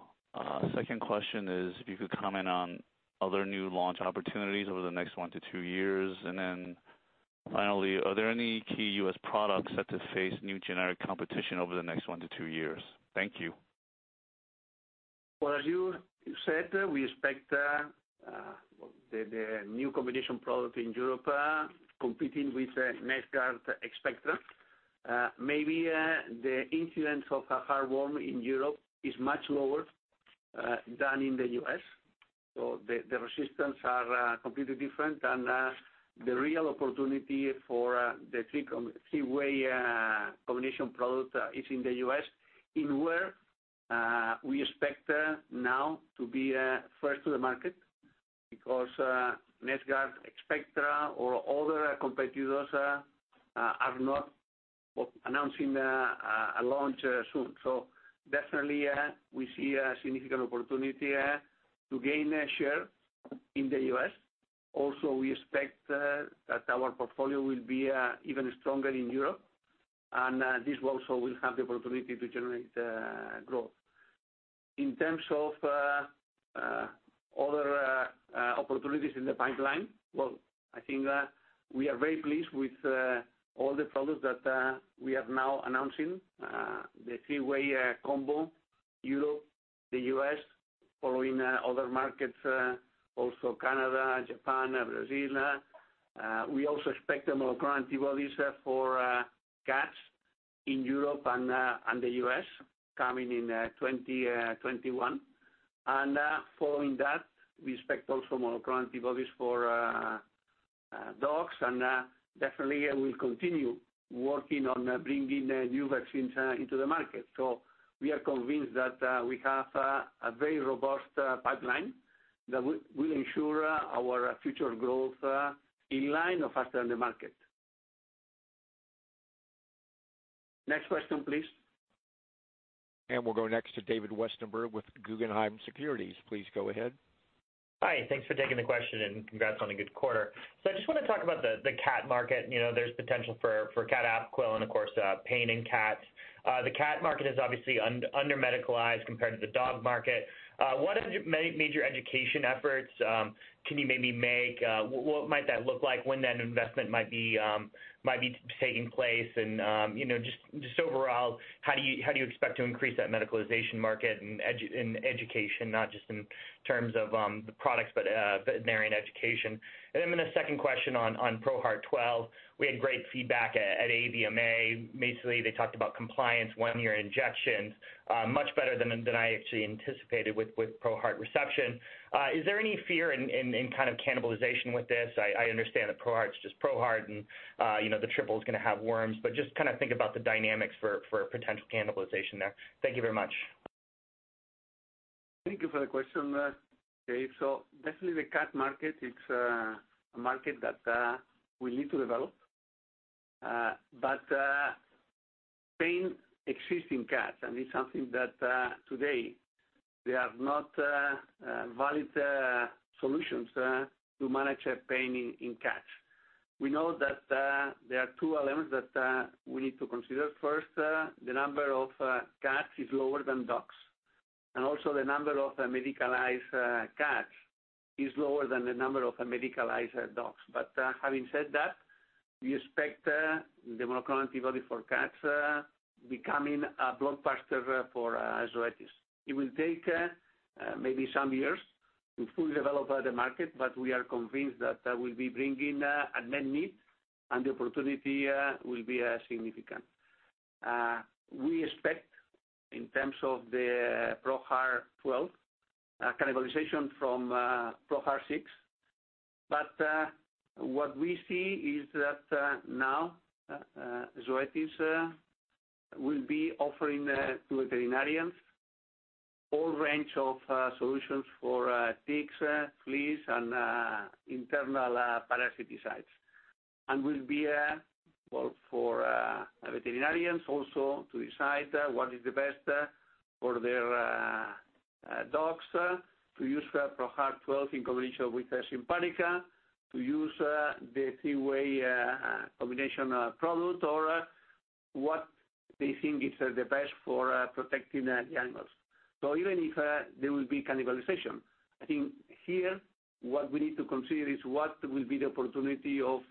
Second question is, if you could comment on other new launch opportunities over the next one to two years. Finally, are there any key U.S. products set to face new generic competition over the next one to two years? Thank you. Well, as you said, we expect the new combination product in Europe competing with NexGard SPECTRA. Maybe the incidence of a heartworm in Europe is much lower than in the U.S., so the resistance are completely different and the real opportunity for the three-way combination product is in the U.S., in where we expect now to be first to the market because NexGard SPECTRA or other competitors are not announcing a launch soon. Definitely, we see a significant opportunity to gain a share in the U.S. Also, we expect that our portfolio will be even stronger in Europe, and this also will have the opportunity to generate growth. In terms of other opportunities in the pipeline, well, I think we are very pleased with all the products that we are now announcing. The three-way combo, Europe, the U.S., following other markets, also Canada, Japan, Brazil. We also expect the monoclonal antibodies for cats in Europe and the U.S. coming in 2021. Following that, we expect also monoclonal antibodies for dogs, and definitely we'll continue working on bringing new vaccines into the market. We are convinced that we have a very robust pipeline that will ensure our future growth in line or faster than the market. Next question, please. We'll go next to David Westenberg with Guggenheim Securities. Please go ahead. Hi. Thanks for taking the question and congrats on a good quarter. I just want to talk about the cat market. There's potential for cat Apoquel and of course, pain in cats. The cat market is obviously under-medicalized compared to the dog market. What are major education efforts can you maybe make, what might that look like, when that investment might be taking place, and just overall, how do you expect to increase that medicalization market in education, not just in terms of the products but veterinarian education? A second question on ProHeart 12. We had great feedback at AVMA. Basically, they talked about compliance, one-year injections, much better than I actually anticipated with ProHeart reception. Is there any fear in cannibalization with this? I understand that ProHeart's just ProHeart and the triple's going to have worms, but just think about the dynamics for potential cannibalization there. Thank you very much. Thank you for the question, David. Definitely the cat market, it's a market that we need to develop. Pain exists in cats, and it's something that today there are not valid solutions to manage pain in cats. We know that there are two elements that we need to consider. First, the number of cats is lower than dogs, and also the number of medicalized cats is lower than the number of medicalized dogs. Having said that, we expect the monoclonal antibody for cats becoming a blockbuster for Zoetis. It will take maybe some years to fully develop the market, but we are convinced that we'll be bringing unmet need and the opportunity will be significant. We expect in terms of the ProHeart 12 cannibalization from ProHeart 6. What we see is that now Zoetis will be offering to veterinarians whole range of solutions for ticks, fleas, and internal parasiticides. Will be, well, for veterinarians also to decide what is the best for their dogs to use ProHeart 12 in combination with Simparica, to use the three-way combination product or what they think is the best for protecting the animals. Even if there will be cannibalization, I think here what we need to consider is what will be the opportunity of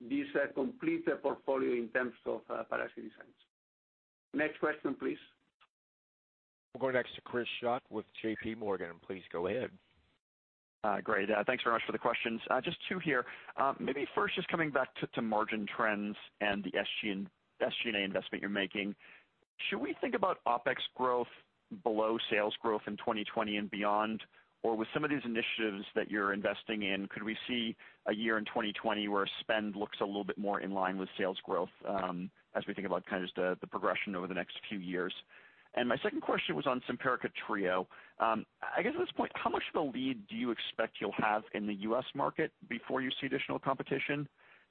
this complete portfolio in terms of parasiticides. Next question, please. We'll go next to Chris Schott with J.P. Morgan. Please go ahead. Great. Thanks very much for the questions. Just two here. Maybe first, coming back to margin trends and the SG&A investment you're making. Should we think about OpEx growth below sales growth in 2020 and beyond? With some of these initiatives that you're investing in, could we see a year in 2020 where spend looks a little bit more in line with sales growth, as we think about the progression over the next few years? My second question was on Simparica Trio. I guess at this point, how much of a lead do you expect you'll have in the U.S. market before you see additional competition?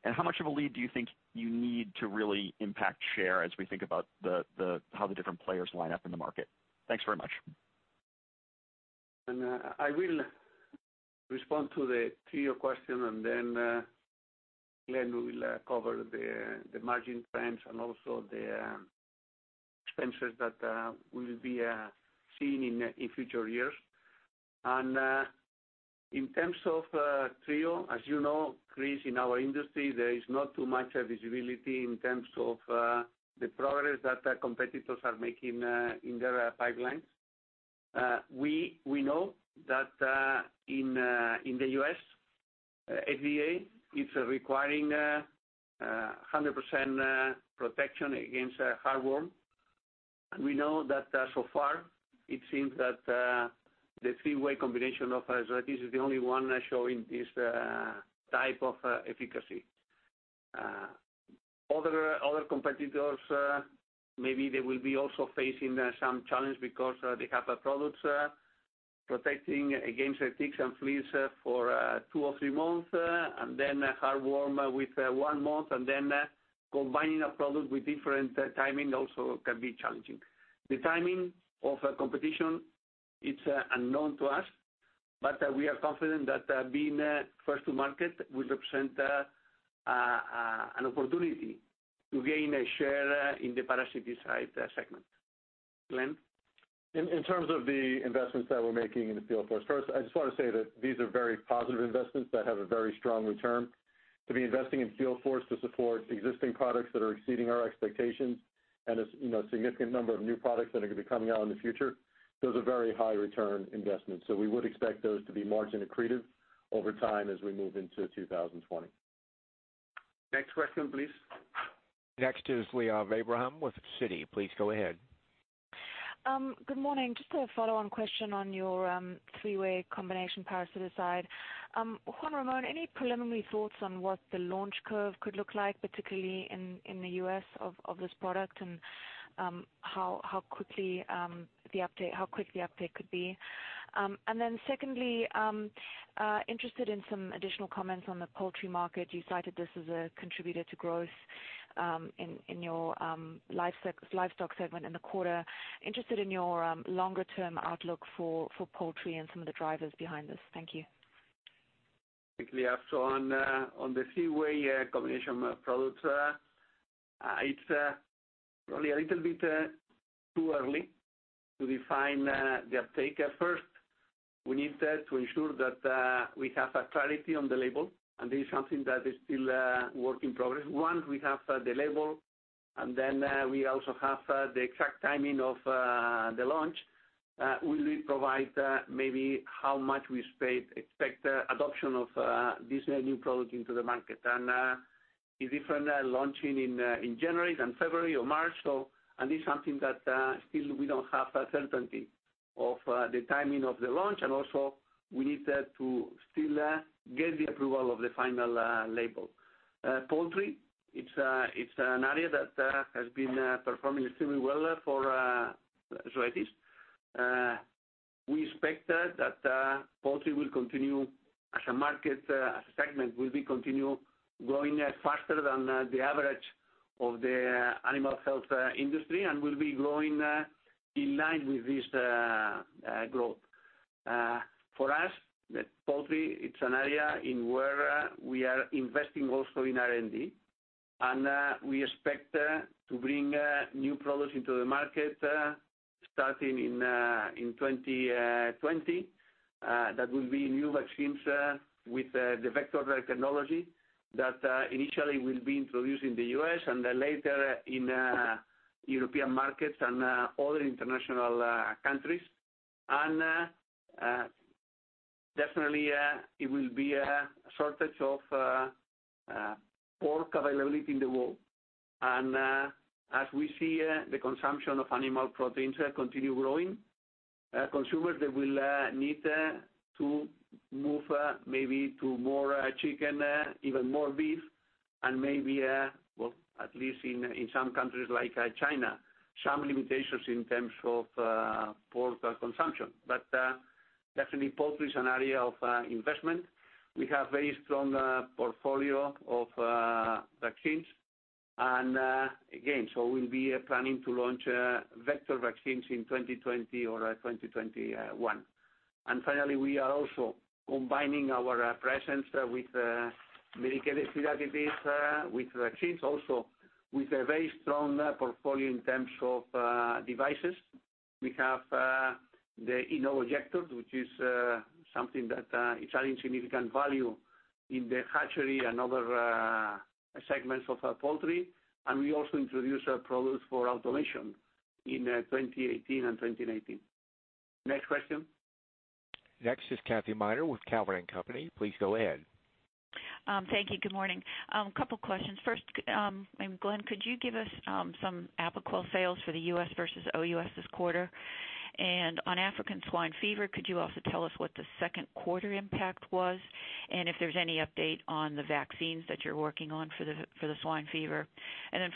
How much of a lead do you think you need to really impact share as we think about how the different players line up in the market? Thanks very much. I will respond to the Trio question, then Glenn will cover the margin trends and also the expenses that will be seen in future years. In terms of Trio, as you know, Chris, in our industry, there is not too much visibility in terms of the progress that competitors are making in their pipelines. We know that in the U.S., FDA is requiring 100% protection against heartworm. We know that so far, it seems that the three-way combination of Zoetis is the only one showing this type of efficacy. Other competitors, maybe they will be also facing some challenge because they have products protecting against ticks and fleas for two or three months, then heartworm with one month, and then combining a product with different timing also can be challenging. The timing of competition, it's unknown to us, but we are confident that being first to market will represent an opportunity to gain a share in the parasiticide segment. Glenn? In terms of the investments that we're making in the field force. First, I just want to say that these are very positive investments that have a very strong return. To be investing in field force to support existing products that are exceeding our expectations and a significant number of new products that are going to be coming out in the future, those are very high return investments. We would expect those to be margin accretive over time as we move into 2020. Next question, please. Next is Liav Abraham with Citi. Please go ahead. Good morning. Just a follow-on question on your three-way combination parasiticide. Juan Ramon, any preliminary thoughts on what the launch curve could look like, particularly in the U.S. of this product, and how quick the uptake could be? Secondly, interested in some additional comments on the poultry market. You cited this as a contributor to growth in your livestock segment in the quarter. Interested in your longer-term outlook for poultry and some of the drivers behind this. Thank you. Thank you, Liav. On the three-way combination product, it's probably a little bit too early to define the uptake. First, we need to ensure that we have clarity on the label. This is something that is still a work in progress. Once we have the label, and then we also have the exact timing of the launch, we will provide maybe how much we expect adoption of this new product into the market. It's different launching in January than February or March. This is something that still we don't have certainty of the timing of the launch, and also we need to still get the approval of the final label. Poultry, it's an area that has been performing extremely well for Zoetis. We expect that poultry will continue as a market segment, will continue growing faster than the average of the animal health industry and will be growing in line with this growth. For us, poultry, it's an area where we are investing also in R&D, and we expect to bring new products into the market, starting in 2020. That will be new vaccines with the vector technology that initially will be introduced in the U.S. Later in European markets and other international countries. Definitely, it will be a shortage of pork availability in the world. As we see the consumption of animal proteins continue growing, consumers will need to move maybe to more chicken, even more beef, and maybe, well, at least in some countries like China, some limitations in terms of pork consumption. Definitely poultry is an area of investment. We have a very strong portfolio of vaccines, and again, so we'll be planning to launch vector vaccines in 2020 or 2021. Finally, we are also combining our presence with medical activities, with vaccines also, with a very strong portfolio in terms of devices. We have the Inovoject, which is something that is adding significant value in the hatchery and other segments of our poultry. We also introduced our products for automation in 2018 and 2019. Next question. Next is Kathy Miner with Cowen and Company. Please go ahead. Thank you. Good morning. Couple questions. First, Glenn, could you give us some Apoquel sales for the U.S. versus OUS this quarter? On African swine fever, could you also tell us what the second quarter impact was, and if there's any update on the vaccines that you're working on for the swine fever?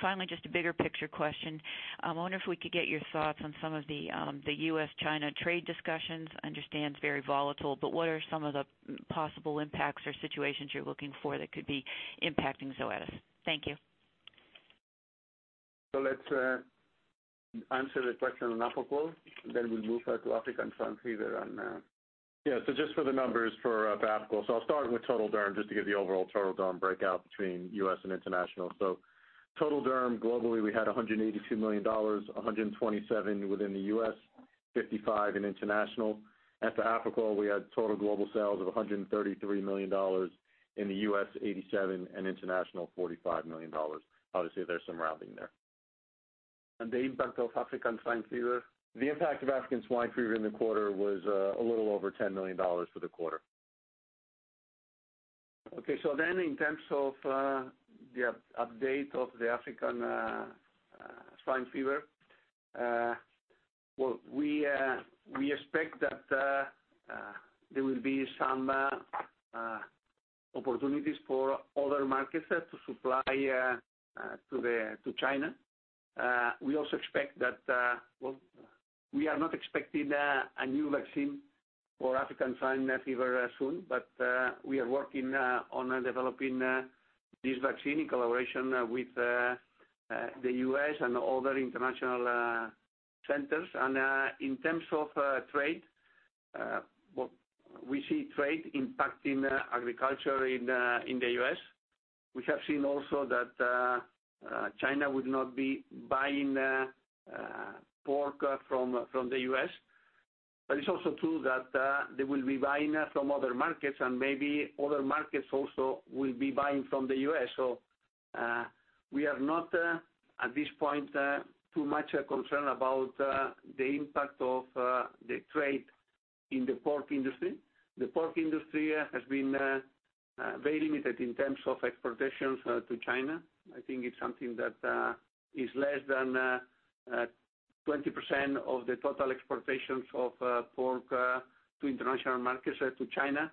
Finally, just a bigger picture question. I wonder if we could get your thoughts on some of the U.S. China trade discussions. I understand it's very volatile, what are some of the possible impacts or situations you're looking for that could be impacting Zoetis? Thank you. Let's answer the question on Apoquel, then we'll move to African swine fever. Yeah. Just for the numbers for Apoquel. I'll start with total derm, just to give the overall total derm breakout between U.S. and international. Total derm, globally, we had $182 million, $127 within the U.S., $55 in international. As for Apoquel, we had total global sales of $133 million. In the U.S., $87, and international, $45 million. Obviously, there's some rounding there. The impact of African swine fever? The impact of African swine fever in the quarter was a little over $10 million for the quarter. Okay. In terms of the update of the African swine fever, well, we expect that there will be some opportunities for other markets to supply to China. We are not expecting a new vaccine for African swine fever soon, but we are working on developing this vaccine in collaboration with the U.S. and other international centers. In terms of trade, we see trade impacting agriculture in the U.S. We have seen also that China would not be buying pork from the U.S. It's also true that they will be buying from other markets, and maybe other markets also will be buying from the U.S. We are not, at this point, too much concerned about the impact of the trade in the pork industry. The pork industry has been very limited in terms of exportations to China. I think it's something that is less than 20% of the total exportations of pork to international markets to China.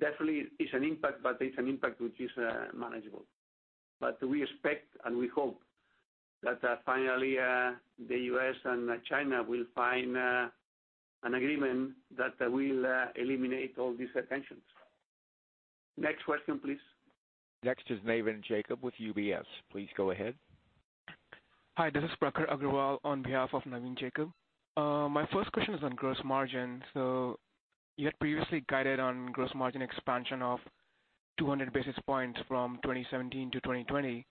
Definitely it's an impact, but it's an impact which is manageable. We expect and we hope that finally the U.S. and China will find an agreement that will eliminate all these tensions. Next question please. Next is Navin Jacob with UBS. Please go ahead. Hi, this is Prakhar Agrawal on behalf of Navin Jacob. My first question is on gross margin. You had previously guided on gross margin expansion of 200 basis points from 2017 to 2020,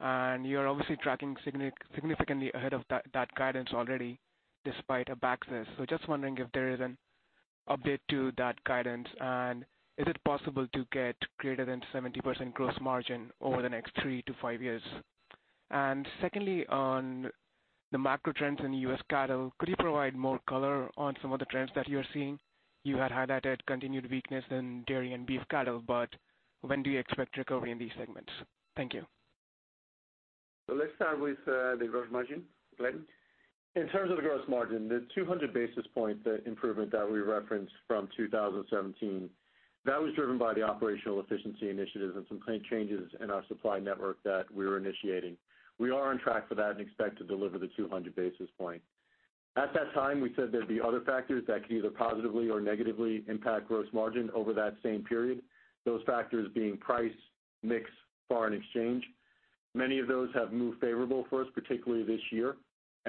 and you're obviously tracking significantly ahead of that guidance already despite a Abaxis. Just wondering if there is an update to that guidance, and is it possible to get greater than 70% gross margin over the next three to five years? Secondly, on the macro trends in U.S. cattle, could you provide more color on some of the trends that you're seeing? You had highlighted continued weakness in dairy and beef cattle, but when do you expect recovery in these segments? Thank you. Let's start with the gross margin. Glenn? In terms of the gross margin, the 200 basis point improvement that we referenced from 2017, that was driven by the operational efficiency initiatives and some changes in our supply network that we're initiating. We are on track for that and expect to deliver the 200 basis point. At that time, we said there'd be other factors that could either positively or negatively impact gross margin over that same period. Those factors being price, mix, foreign exchange. Many of those have moved favorable for us, particularly this year.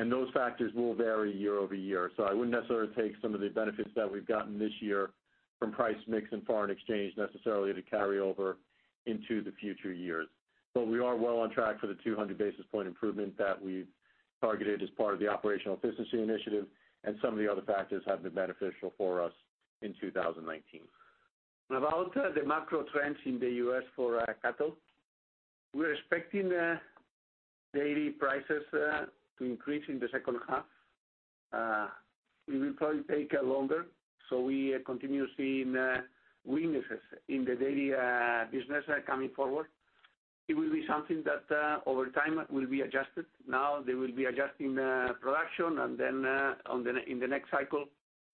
Those factors will vary year-over-year. I wouldn't necessarily take some of the benefits that we've gotten this year from price mix and foreign exchange necessarily to carry over into the future years. We are well on track for the 200 basis point improvement that we've targeted as part of the Operational Efficiency Initiative, and some of the other factors have been beneficial for us in 2019. About the macro trends in the U.S. for cattle. We're expecting dairy prices to increase in the second half. It will probably take longer, so we continue seeing weaknesses in the dairy business coming forward. It will be something that over time will be adjusted. They will be adjusting production, and then in the next cycle,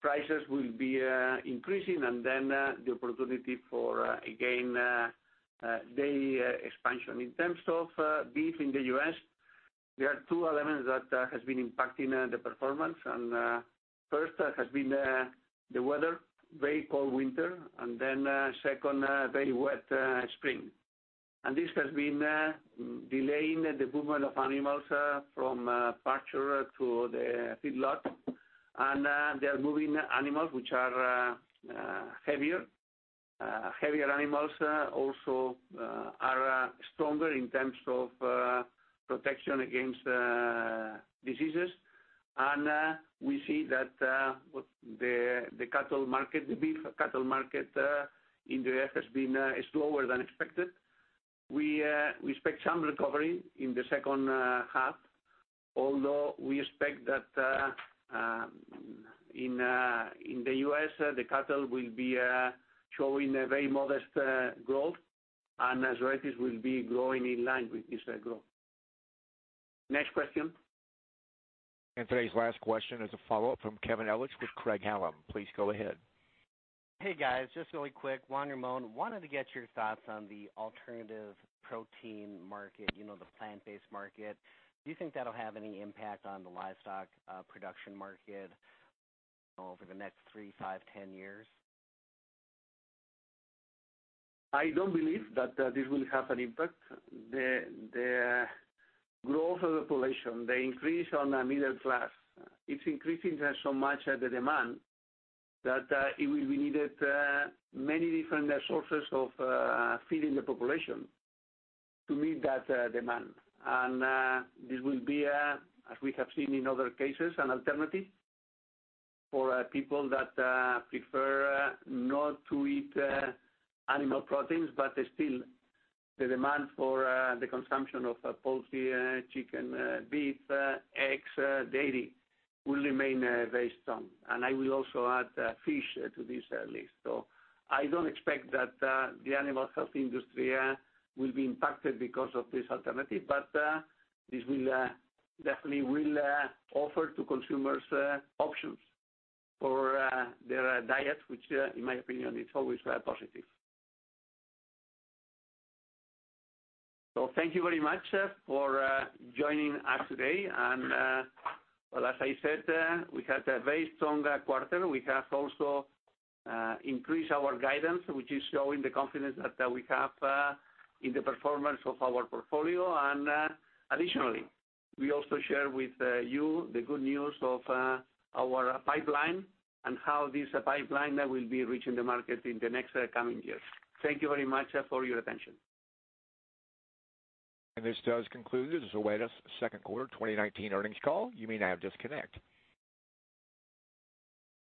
prices will be increasing and then the opportunity for, again, dairy expansion. In terms of beef in the U.S., there are two elements that has been impacting the performance, first has been the weather, very cold winter, and then second, very wet spring. This has been delaying the movement of animals from pasture to the feedlot. They're moving animals which are heavier. Heavier animals also are stronger in terms of protection against diseases. We see that the beef cattle market in the U.S. has been slower than expected. We expect some recovery in the second half, although we expect that in the U.S., the cattle will be showing a very modest growth, and Zoetis will be growing in line with this growth. Next question. Today's last question is a follow-up from Kevin Ellich with Craig-Hallum. Please go ahead. Hey, guys. Just really quick. Juan Ramón, I wanted to get your thoughts on the alternative protein market, the plant-based market. Do you think that'll have any impact on the livestock production market over the next three, five, 10 years? I don't believe that this will have an impact. The growth of the population, the increase on the middle class, it's increasing so much the demand that it will be needed many different sources of feeding the population to meet that demand. This will be, as we have seen in other cases, an alternative for people that prefer not to eat animal proteins. Still, the demand for the consumption of poultry, chicken, beef, eggs, dairy will remain very strong. I will also add fish to this list. I don't expect that the animal health industry will be impacted because of this alternative, but this definitely will offer to consumers options for their diets, which in my opinion, is always very positive. Thank you very much for joining us today. As I said, we had a very strong quarter. We have also increased our guidance, which is showing the confidence that we have in the performance of our portfolio. Additionally, we also share with you the good news of our pipeline and how this pipeline will be reaching the market in the next coming years. Thank you very much for your attention. This does conclude Zoetis' second quarter 2019 earnings call. You may now disconnect.